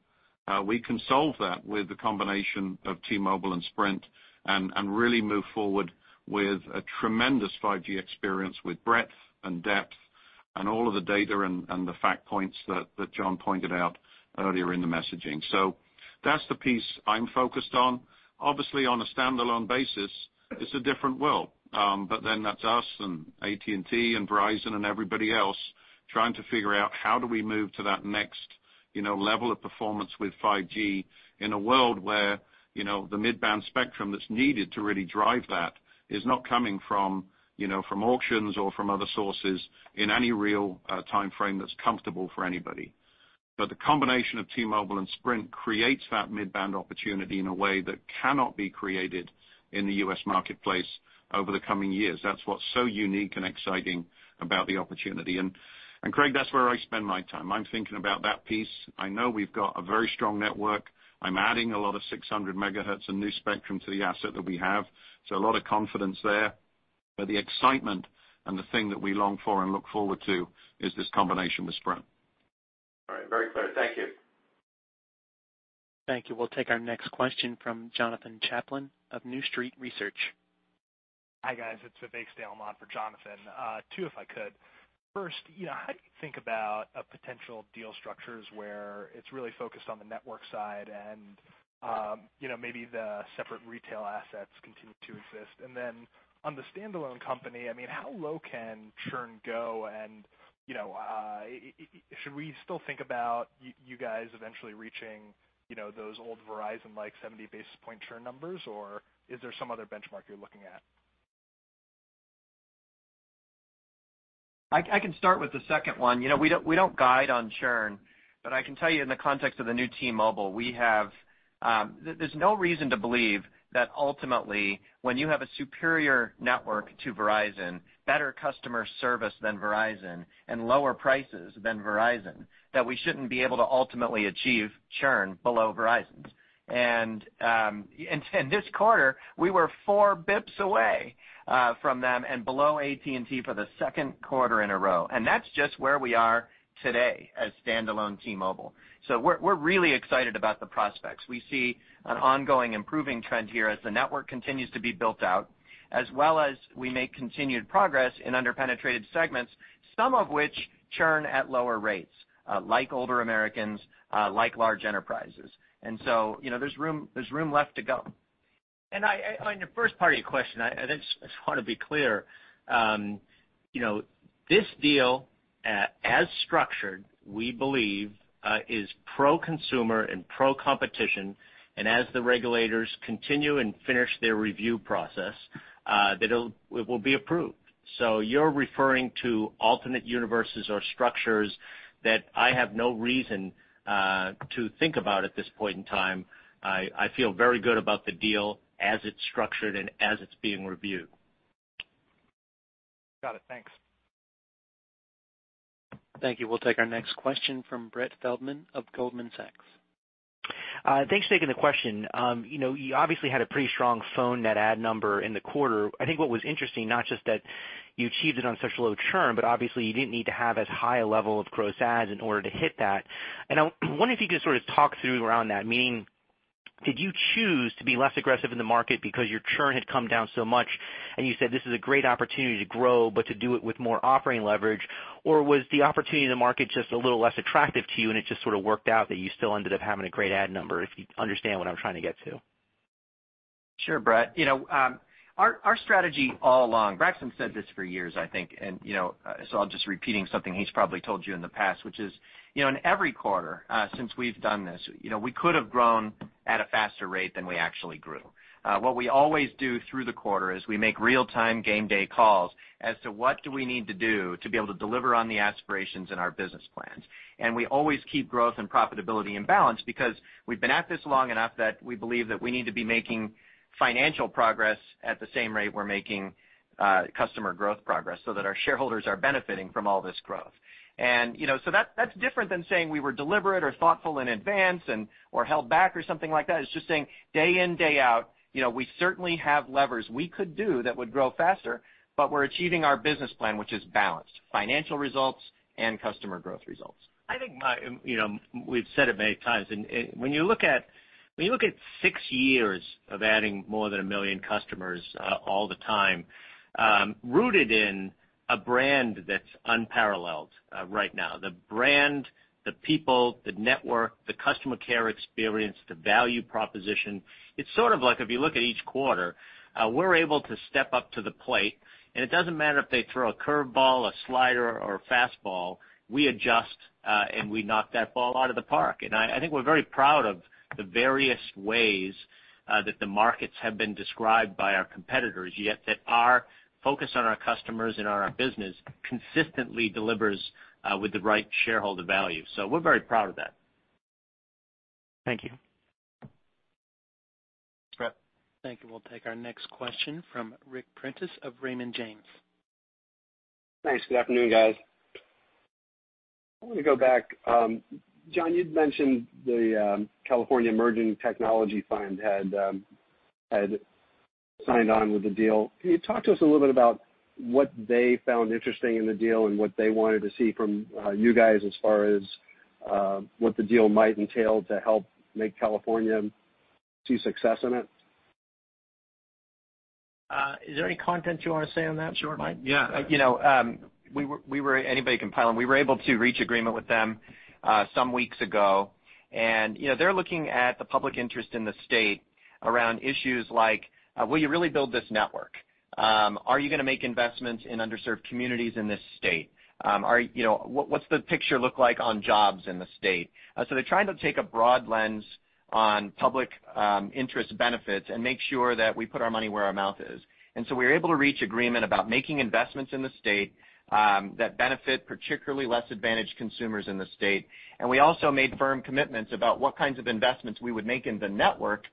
We can solve that with the combination of T-Mobile and Sprint and really move forward with a tremendous 5G experience with breadth and depth and all of the data and the fact points that John pointed out earlier in the messaging. That's the piece I'm focused on. Obviously, on a standalone basis, it's a different world. That's us and AT&T and Verizon and everybody else trying to figure out how do we move to that next level of performance with 5G in a world where the mid-band spectrum that's needed to really drive that is not coming from auctions or from other sources in any real timeframe that's comfortable for anybody. The combination of T-Mobile and Sprint creates that mid-band opportunity in a way that cannot be created in the U.S. marketplace over the coming years. That's what's so unique and exciting about the opportunity. Craig, that's where I spend my time. I'm thinking about that piece. I know we've got a very strong network. I'm adding a lot of 600 MHz and new spectrum to the asset that we have, so a lot of confidence there. The excitement and the thing that we long for and look forward to is this combination with Sprint.
All right. Very clear. Thank you.
Thank you. We'll take our next question from Jonathan Chaplin of New Street Research.
Hi, guys. It's the Vivek Stalam on for Jonathan. Two, if I could. First, how do you think about potential deal structures where it's really focused on the network side and maybe the separate retail assets continue to exist? On the standalone company, how low can churn go and should we still think about you guys eventually reaching those old Verizon-like 70 basis point churn numbers, or is there some other benchmark you're looking at?
I can start with the second one. We don't guide on churn, but I can tell you in the context of the New T-Mobile, there's no reason to believe that ultimately, when you have a superior network to Verizon, better customer service than Verizon, and lower prices than Verizon, that we shouldn't be able to ultimately achieve churn below Verizon's. This quarter, we were four bips away from them and below AT&T for the second quarter in a row. That's just where we are today as standalone T-Mobile. We're really excited about the prospects. We see an ongoing improving trend here as the network continues to be built out, as well as we make continued progress in under-penetrated segments, some of which churn at lower rates, like older Americans, like large enterprises. There's room left to go.
On the first part of your question, I just want to be clear. This deal, as structured, we believe, is pro-consumer and pro-competition, and as the regulators continue and finish their review process, that it will be approved. You're referring to alternate universes or structures that I have no reason to think about at this point in time. I feel very good about the deal as it's structured and as it's being reviewed.
Got it. Thanks.
Thank you. We'll take our next question from Brett Feldman of Goldman Sachs.
Thanks for taking the question. You obviously had a pretty strong phone net add number in the quarter. I think what was interesting, not just that you achieved it on such low churn, but obviously you didn't need to have as high a level of gross adds in order to hit that. I wonder if you could sort of talk through around that, meaning did you choose to be less aggressive in the market because your churn had come down so much and you said this is a great opportunity to grow, but to do it with more operating leverage? Or was the opportunity in the market just a little less attractive to you, it just sort of worked out that you still ended up having a great add number, if you understand what I'm trying to get to?
Sure, Brett. Our strategy all along, Braxton said this for years, I think, I'll just repeating something he's probably told you in the past, which is, in every quarter since we've done this, we could have grown at a faster rate than we actually grew. What we always do through the quarter is we make real-time game day calls as to what do we need to do to be able to deliver on the aspirations in our business plans. We always keep growth and profitability in balance because we've been at this long enough that we believe that we need to be making financial progress at the same rate we're making customer growth progress so that our shareholders are benefiting from all this growth. That's different than saying we were deliberate or thoughtful in advance or held back or something like that. It's just saying, day in, day out, we certainly have levers we could do that would grow faster, but we're achieving our business plan, which is balanced financial results and customer growth results. I think we've said it many times, when you look at si years of adding more than million customers all the time, rooted in a brand that's unparalleled right now. The brand, the people, the network, the customer care experience, the value proposition. It's sort of like if you look at each quarter, we're able to step up to the plate, and it doesn't matter if they throw a curve ball, a slider, or a fastball, we adjust, and we knock that ball out of the park. I think we're very proud of the various ways that the markets have been described by our competitors, yet that our focus on our customers and on our business consistently delivers with the right shareholder value. We're very proud of that.
Thank you.
Thank you. We'll take our next question from Ric Prentiss of Raymond James.
Thanks. Good afternoon, guys. I want to go back. John, you'd mentioned the California Emerging Technology Fund had signed on with the deal. Can you talk to us a little bit about what they found interesting in the deal and what they wanted to see from you guys as far as what the deal might entail to help make California see success in it?
Is there any content you want to say on that, Mike?
Yeah. Anybody can pile on. We were able to reach agreement with them some weeks ago, they're looking at the public interest in the state around issues like, will you really build this network? Are you going to make investments in underserved communities in this state? What's the picture look like on jobs in the state? They're trying to take a broad lens on public interest benefits and make sure that we put our money where our mouth is. We were able to reach agreement about making investments in the state that benefit particularly less advantaged consumers in the state. We also made firm commitments about what kinds of investments we would make in the network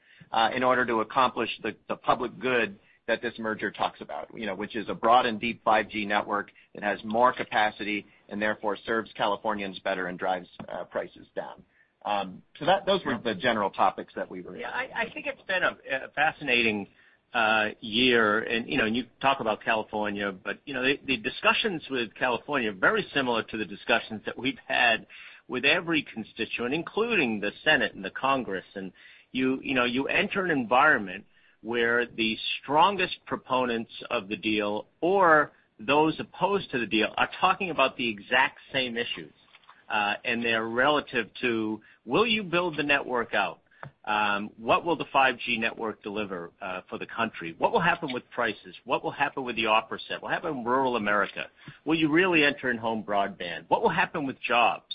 in order to accomplish the public good that this merger talks about, which is a broad and deep 5G network that has more capacity, and therefore, serves Californians better and drives prices down. Those were the general topics that we were-
I think it's been a fascinating year. You talk about California, but the discussions with California are very similar to the discussions that we've had with every constituent, including the Senate and the Congress. You enter an environment where the strongest proponents of the deal or those opposed to the deal are talking about the exact same issues. They're relative to, will you build the network out? What will the 5G network deliver for the country? What will happen with prices? What will happen with the offer set? What will happen in rural America? Will you really enter in home broadband? What will happen with jobs?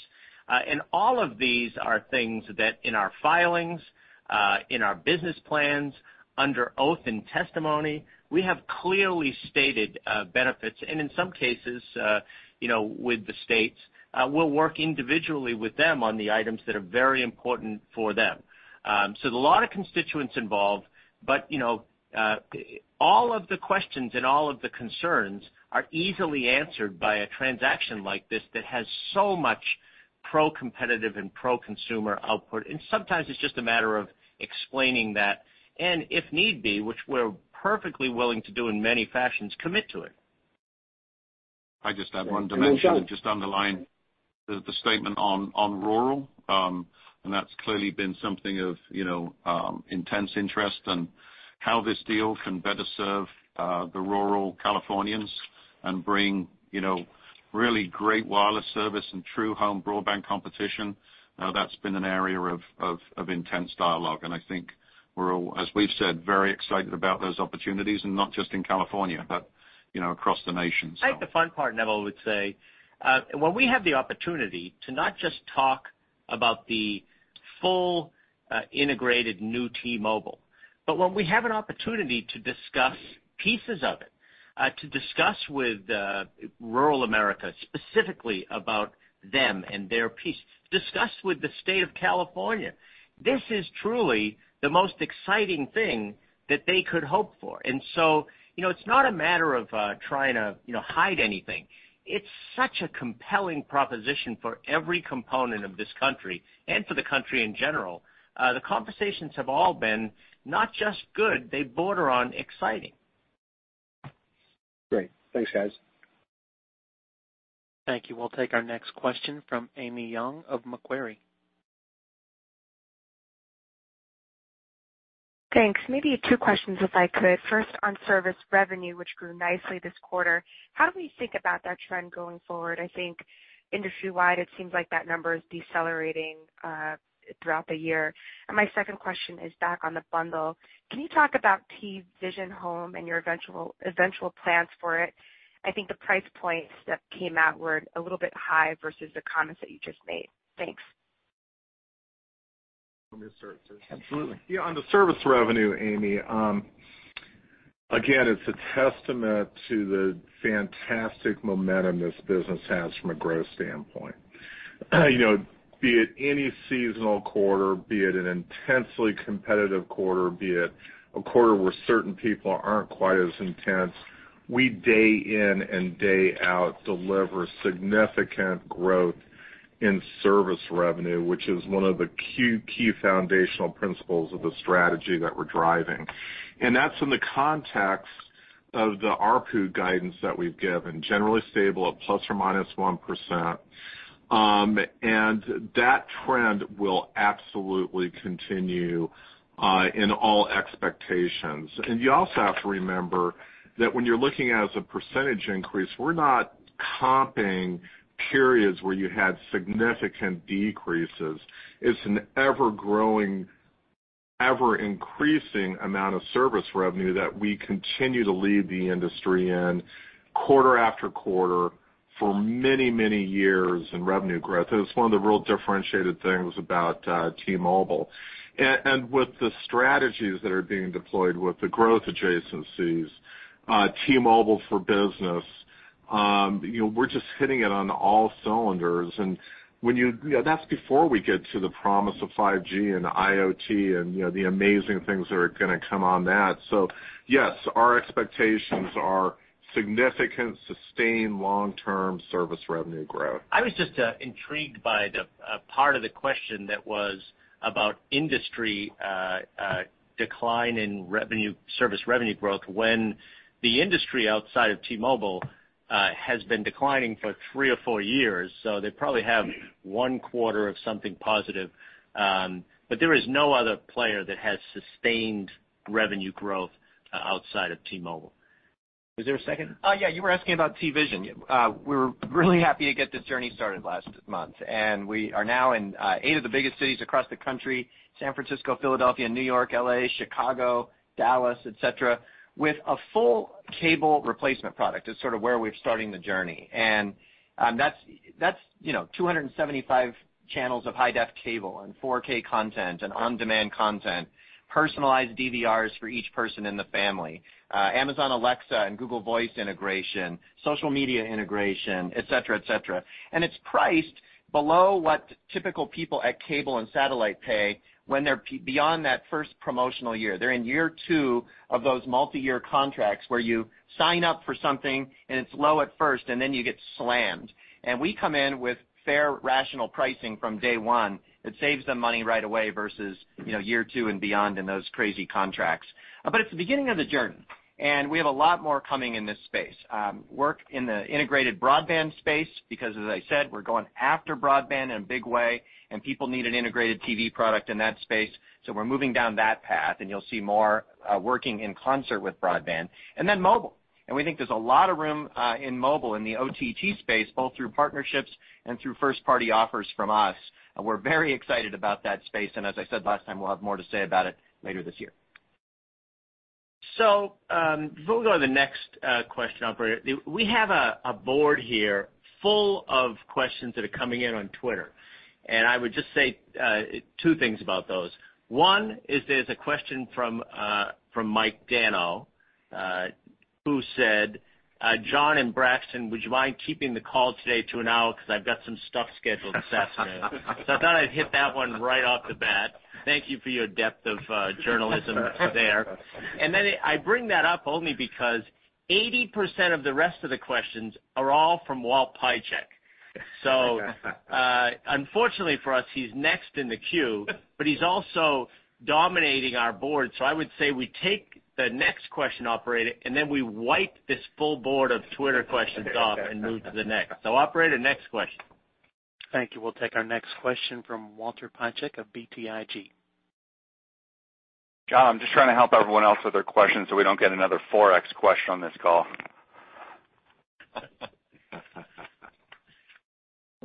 All of these are things that in our filings, in our business plans, under oath and testimony, we have clearly stated benefits. In some cases, with the states, we'll work individually with them on the items that are very important for them. There's a lot of constituents involved, but all of the questions and all of the concerns are easily answered by a transaction like this that has so much pro-competitive and pro-consumer output. Sometimes it's just a matter of explaining that, and if need be, which we're perfectly willing to do in many fashions, commit to it.
I just add one dimension.
Then John.
Just underline the statement on rural. That's clearly been something of intense interest, and how this deal can better serve the rural Californians and bring really great wireless service and true home broadband competition. That's been an area of intense dialogue, and I think we're all, as we've said, very excited about those opportunities, and not just in California but, across the nation.
I think the fun part, Neville, I would say, when we have the opportunity to not just talk about the full integrated New T-Mobile, but when we have an opportunity to discuss pieces of it, to discuss with rural America specifically about them and their piece, discuss with the state of California. This is truly the most exciting thing that they could hope for. It's not a matter of trying to hide anything. It's such a compelling proposition for every component of this country and for the country in general. The conversations have all been not just good, they border on exciting.
Great. Thanks, guys.
Thank you. We'll take our next question from Amy Yong of Macquarie.
Thanks. Maybe two questions if I could. First, on service revenue, which grew nicely this quarter, how do we think about that trend going forward? I think industry-wide, it seems like that number is decelerating throughout the year. My second question is back on the bundle. Can you talk about TVision Home and your eventual plans for it? I think the price points that came out were a little bit high versus the comments that you just made. Thanks.
Let me start first.
Absolutely.
Yeah, on the service revenue, Amy, again, it's a testament to the fantastic momentum this business has from a growth standpoint. Be it any seasonal quarter, be it an intensely competitive quarter, be it a quarter where certain people aren't quite as intense, we day in and day out deliver significant growth in service revenue, which is one of the key foundational principles of the strategy that we're driving. That's in the context of the ARPU guidance that we've given, generally stable at ±1%, and that trend will absolutely continue in all expectations. You also have to remember that when you're looking as a percentage increase, we're not comping periods where you had significant decreases. It's an ever-growing, ever-increasing amount of service revenue that we continue to lead the industry in quarter after quarter for many, many years in revenue growth. It's one of the real differentiated things about T-Mobile. With the strategies that are being deployed with the growth adjacencies, T-Mobile for Business We're just hitting it on all cylinders. That's before we get to the promise of 5G and IoT and the amazing things that are going to come on that. Yes, our expectations are significant, sustained long-term service revenue growth.
I was just intrigued by the part of the question that was about industry decline in service revenue growth when the industry outside of T-Mobile has been declining for three or four years. They probably have one quarter of something positive. There is no other player that has sustained revenue growth outside of T-Mobile. Was there a second?
Yeah, you were asking about TVision. We were really happy to get this journey started last month, and we are now in eight of the biggest cities across the country, San Francisco, Philadelphia, New York, L.A., Chicago, Dallas, et cetera, with a full cable replacement product as sort of where we're starting the journey. That's 275 channels of high-def cable and 4K content and on-demand content, personalized DVRs for each person in the family. Amazon Alexa and Google Assistant integration, social media integration, et cetera. It's priced below what typical people at cable and satellite pay when they're beyond that first promotional year. They're in year two of those multi-year contracts where you sign up for something and it's low at first, and then you get slammed. We come in with fair, rational pricing from day one that saves them money right away versus year two and beyond in those crazy contracts. It's the beginning of the journey, and we have a lot more coming in this space. Work in the integrated broadband space because, as I said, we're going after broadband in a big way, and people need an integrated TV product in that space. We're moving down that path, and you'll see more working in concert with broadband. Then mobile. We think there's a lot of room in mobile, in the OTT space, both through partnerships and through first-party offers from us. We're very excited about that space, and as I said last time, we'll have more to say about it later this year.
Before we go to the next question, operator, we have a board here full of questions that are coming in on Twitter. I would just say two things about those. One is there's a question from Mike Dano, who said, "John and Braxton, would you mind keeping the call today to an hour because I've got some stuff scheduled this afternoon?" I thought I'd hit that one right off the bat. Thank you for your depth of journalism there. I bring that up only because 80% of the rest of the questions are all from Walt Piecyk. Unfortunately for us, he's next in the queue, but he's also dominating our board. I would say we take the next question, operator, and then we wipe this full board of Twitter questions off and move to the next. Operator, next question.
Thank you. We'll take our next question from Walter Piecyk of BTIG.
John, I'm just trying to help everyone else with their questions so we don't get another Forex question on this call.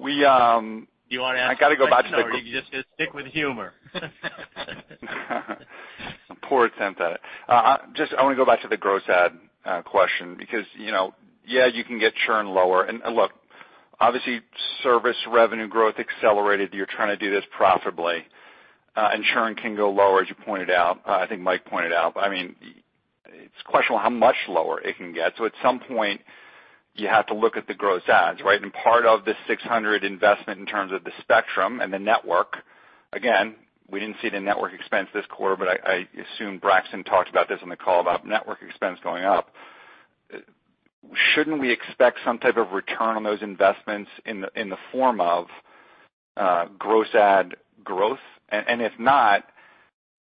Do you want to answer the question or are you just going to stick with humor?
I'm poor at banter. I want to go back to the gross add question because, yeah, you can get churn lower and look, obviously, service revenue growth accelerated. You're trying to do this profitably, and churn can go lower, as you pointed out. I think Mike pointed out. It's questionable how much lower it can get. At some point, you have to look at the gross adds, right? Part of the 600 investment in terms of the spectrum and the network, again, we didn't see the network expense this quarter, but I assume Braxton talked about this on the call about network expense going up. Shouldn't we expect some type of return on those investments in the form of gross add growth? If not,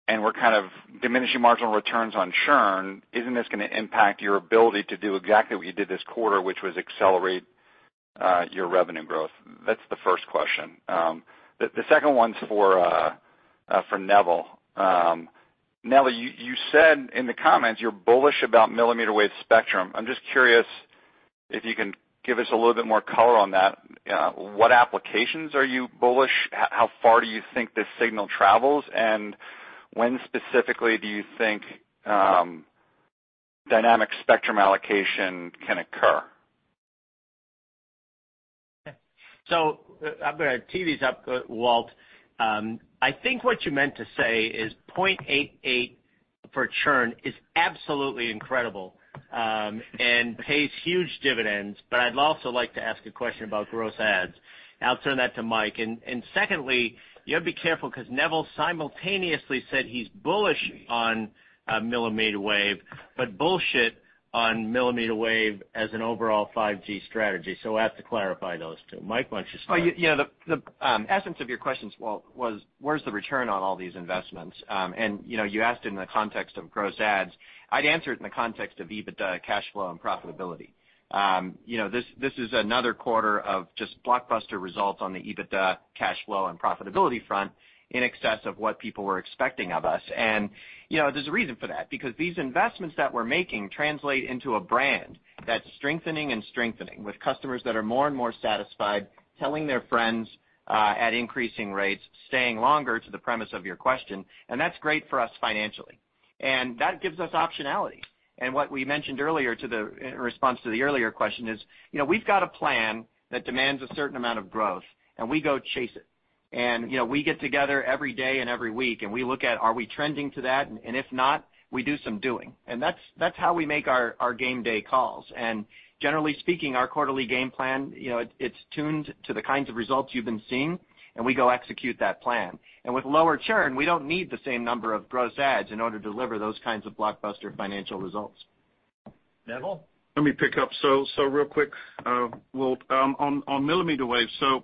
and we're kind of diminishing marginal returns on churn, isn't this going to impact your ability to do exactly what you did this quarter, which was accelerate your revenue growth? That's the first question. The second one's for Neville. Neville, you said in the comments you're bullish about millimeter wave spectrum. I'm just curious if you can give us a little bit more color on that. What applications are you bullish? How far do you think this signal travels? When specifically do you think dynamic spectrum sharing can occur?
Okay. I'm going to tee these up, Walt. I think what you meant to say is 0.88 for churn is absolutely incredible, and pays huge dividends, but I'd also like to ask a question about gross adds. I'll turn that to Mike. Secondly, you have to be careful because Neville simultaneously said he's bullish on millimeter wave, but bullshit on millimeter wave as an overall 5G strategy. I have to clarify those two. Mike, why don't you start?
The essence of your questions, Walt, was where's the return on all these investments? You asked in the context of gross adds. I'd answer it in the context of EBITDA, cash flow and profitability. This is another quarter of just blockbuster results on the EBITDA cash flow and profitability front in excess of what people were expecting of us. There's a reason for that, because these investments that we're making translate into a brand that's strengthening with customers that are more and more satisfied, telling their friends at increasing rates, staying longer to the premise of your question, that's great for us financially. That gives us optionality. What we mentioned earlier in response to the earlier question is we've got a plan that demands a certain amount of growth, we go chase it. We get together every day and every week, and we look at, are we trending to that? If not, we do some doing. That's how we make our game day calls. Generally speaking, our quarterly game plan, it's tuned to the kinds of results you've been seeing, we go execute that plan. With lower churn, we don't need the same number of gross adds in order to deliver those kinds of blockbuster financial results. Neville?
Let me pick up. Real quick, Walt, on millimeter wave, so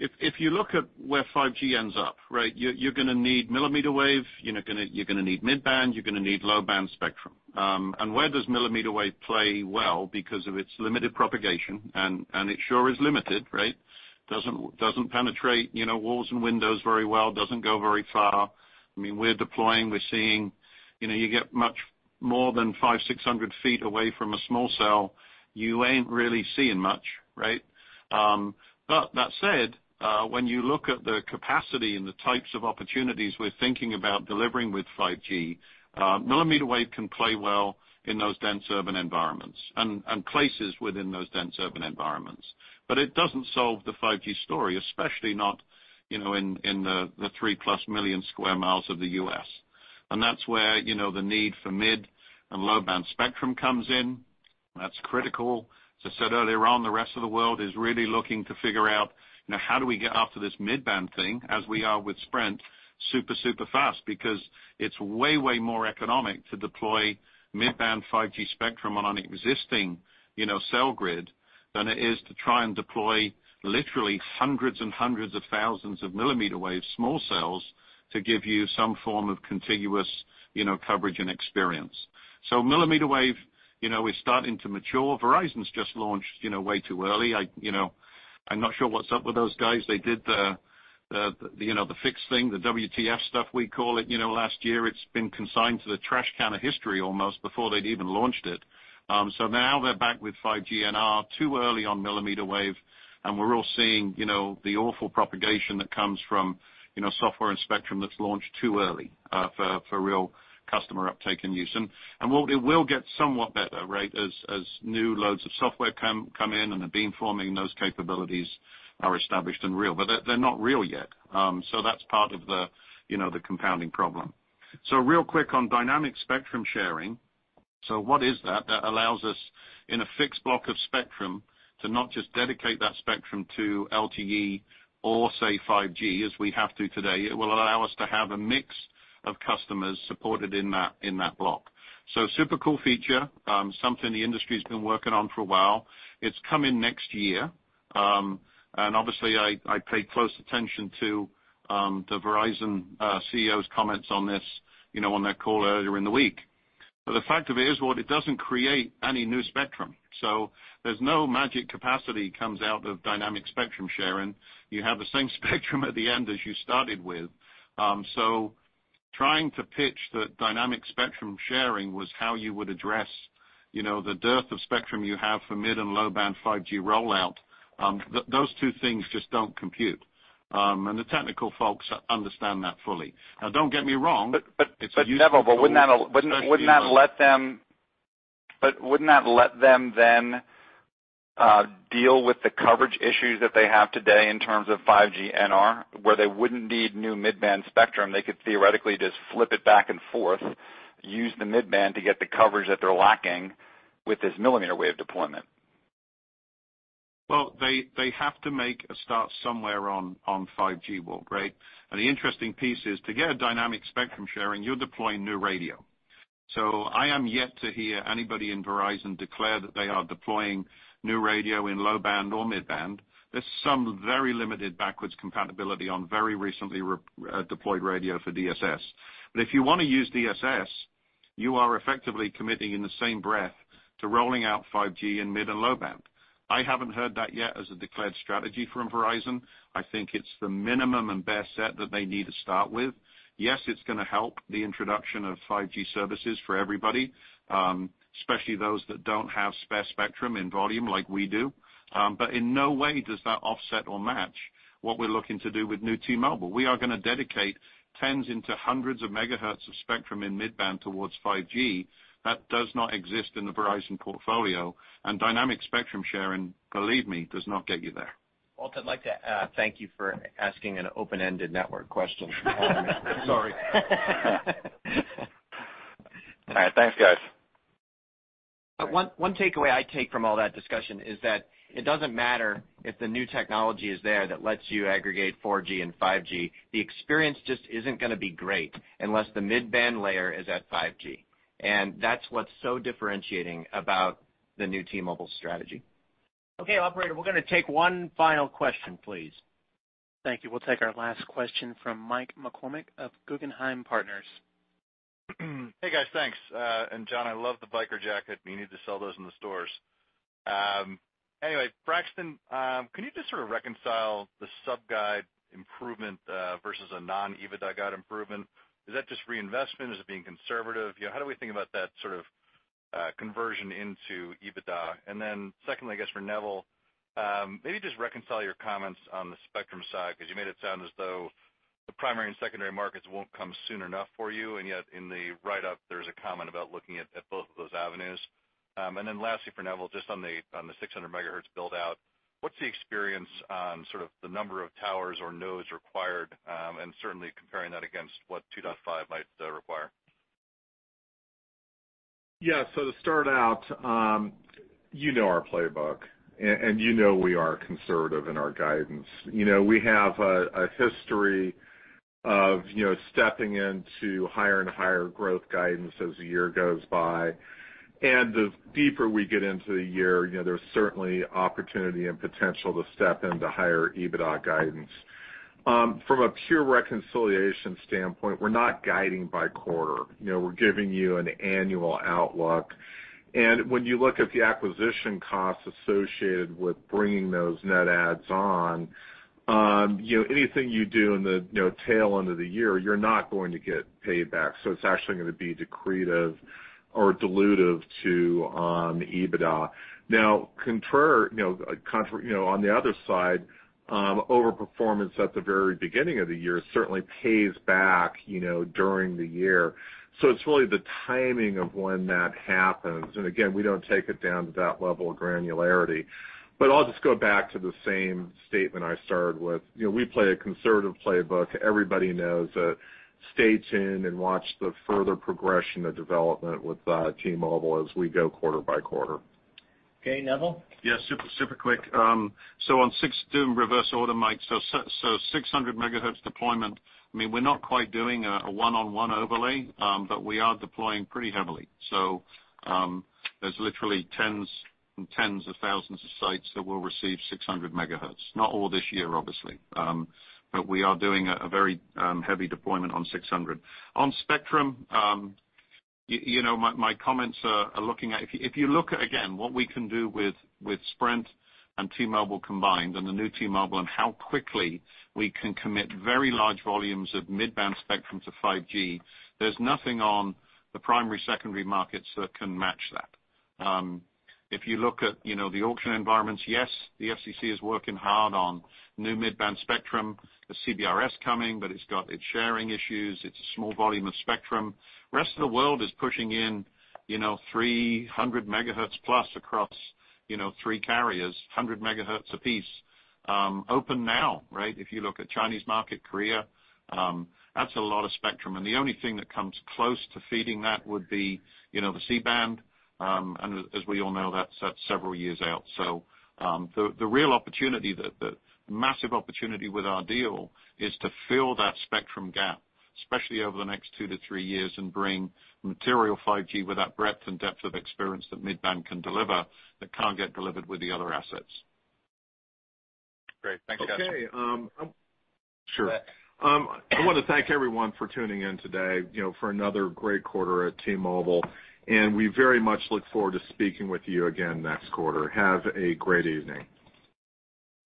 if you look at where 5G ends up, right? You're gonna need millimeter wave, you're gonna need mid-band, you're gonna need low-band spectrum. Where does millimeter wave play well because of its limited propagation, and it sure is limited, right? Doesn't penetrate walls and windows very well, doesn't go very far. We're deploying, we're seeing, you get much more than 500, 600 feet away from a small cell, you ain't really seeing much, right? That said, when you look at the capacity and the types of opportunities we're thinking about delivering with 5G, millimeter wave can play well in those dense urban environments and places within those dense urban environments. It doesn't solve the 5G story, especially not in the three-plus million square miles of the U.S. That's where the need for mid and low-band spectrum comes in. That's critical. As I said earlier on, the rest of the world is really looking to figure out how do we get after this mid-band thing as we are with Sprint super fast because it's way more economic to deploy mid-band 5G spectrum on an existing cell grid than it is to try and deploy literally hundreds and hundreds of thousands of millimeter wave small cells to give you some form of contiguous coverage and experience. Millimeter wave, we're starting to mature. Verizon's just launched way too early. I'm not sure what's up with those guys. They did the fixed thing, the WTTx stuff we call it, last year. It's been consigned to the trash can of history almost before they'd even launched it. Now they're back with 5G NR too early on millimeter wave, and we're all seeing the awful propagation that comes from software and spectrum that's launched too early for real customer uptake and use. It will get somewhat better, right? As new loads of software come in and the beam forming, those capabilities are established and real, but they're not real yet. That's part of the compounding problem. Real quick on dynamic spectrum sharing. What is that? That allows us, in a fixed block of spectrum, to not just dedicate that spectrum to LTE or, say, 5G as we have to today. It will allow us to have a mix of customers supported in that block. Super cool feature, something the industry's been working on for a while. It's coming next year. Obviously I paid close attention to the Verizon CEO's comments on this on their call earlier in the week. The fact of it is what it doesn't create any new spectrum. There's no magic capacity comes out of dynamic spectrum sharing. You have the same spectrum at the end as you started with. Trying to pitch that dynamic spectrum sharing was how you would address the dearth of spectrum you have for mid and low-band 5G rollout, those two things just don't compute. The technical folks understand that fully. Don't get me wrong.
Neville, wouldn't that let them then deal with the coverage issues that they have today in terms of 5G NR, where they wouldn't need new mid-band spectrum? They could theoretically just flip it back and forth, use the mid-band to get the coverage that they're lacking with this millimeter wave deployment.
Well, they have to make a start somewhere on 5G, Walt, right? The interesting piece is to get a dynamic spectrum sharing, you're deploying new radio. I am yet to hear anybody in Verizon declare that they are deploying new radio in low-band or mid-band. There's some very limited backwards compatibility on very recently deployed radio for DSS. If you want to use DSS, you are effectively committing in the same breath to rolling out 5G in mid and low-band. I haven't heard that yet as a declared strategy from Verizon. I think it's the minimum and bare set that they need to start with. Yes, it's going to help the introduction of 5G services for everybody, especially those that don't have spare spectrum in volume like we do. In no way does that offset or match what we're looking to do with New T-Mobile. We are going to dedicate tens into hundreds of megahertz of spectrum in mid-band towards 5G. That does not exist in the Verizon portfolio, dynamic spectrum sharing, believe me, does not get you there.
Walt, I'd like to thank you for asking an open-ended network question.
Sorry. All right. Thanks, guys.
One takeaway I take from all that discussion is that it doesn't matter if the new technology is there that lets you aggregate 4G and 5G. The experience just isn't going to be great unless the mid-band layer is at 5G. That's what's so differentiating about the New T-Mobile strategy.
Okay, operator, we're going to take one final question, please.
Thank you. We'll take our last question from Michael McCormack of Guggenheim Partners.
Hey, guys, thanks. John, I love the biker jacket. You need to sell those in the stores. Anyway, Braxton, can you just sort of reconcile the sub guide improvement versus a non-EBITDA guide improvement? Is that just reinvestment? Is it being conservative? How do we think about that sort of conversion into EBITDA? Secondly, I guess, for Neville, maybe just reconcile your comments on the spectrum side because you made it sound as though the primary and secondary markets won't come soon enough for you, and yet in the write-up, there's a comment about looking at both of those avenues. Lastly, for Neville, just on the 600 MHz build-out, what's the experience on sort of the number of towers or nodes required, and certainly comparing that against what 2.5 might require?
Yeah. To start out, you know our playbook and you know we are conservative in our guidance. We have a history of stepping into higher and higher growth guidance as the year goes by. The deeper we get into the year, there's certainly opportunity and potential to step into higher EBITDA guidance. From a pure reconciliation standpoint, we're not guiding by quarter. We're giving you an annual outlook. When you look at the acquisition costs associated with bringing those net adds on, anything you do in the tail end of the year, you're not going to get paid back. It's actually going to be decretive or dilutive to EBITDA. On the other side, overperformance at the very beginning of the year certainly pays back during the year. It's really the timing of when that happens. Again, we don't take it down to that level of granularity. I'll just go back to the same statement I started with. We play a conservative playbook. Everybody knows it. Stay tuned and watch the further progression of development with T-Mobile as we go quarter by quarter.
Okay, Neville?
Super quick. On 600, reverse order, Mike. 600 MHz deployment, we're not quite doing a one-on-one overlay, but we are deploying pretty heavily. There's literally tens and tens of thousands of sites that will receive 600 MHz. Not all this year, obviously. We are doing a very heavy deployment on 600. On spectrum, if you look at, again, what we can do with Sprint and T-Mobile combined, and the New T-Mobile, and how quickly we can commit very large volumes of mid-band spectrum to 5G, there's nothing on the primary, secondary markets that can match that. If you look at the auction environments, yes, the FCC is working hard on new mid-band spectrum. There's CBRS coming. It's got its sharing issues. It's a small volume of spectrum. The rest of the world is pushing in 300 MHz plus across three carriers, 100 MHz apiece, open now. If you look at Chinese market, Korea, that's a lot of spectrum. The only thing that comes close to feeding that would be the C-band, and as we all know, that's several years out. The real opportunity, the massive opportunity with our deal is to fill that spectrum gap, especially over the next two to three years, and bring material 5G with that breadth and depth of experience that mid-band can deliver that can't get delivered with the other assets.
Great. Thanks, guys.
Okay.
Sure.
I want to thank everyone for tuning in today for another great quarter at T-Mobile, and we very much look forward to speaking with you again next quarter. Have a great evening.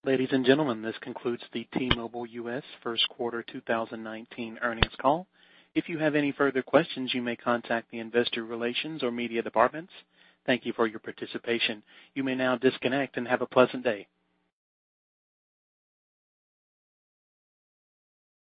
Ladies and gentlemen, this concludes the T-Mobile US first quarter 2019 earnings call. If you have any further questions, you may contact the investor relations or media departments. Thank you for your participation. You may now disconnect, and have a pleasant day.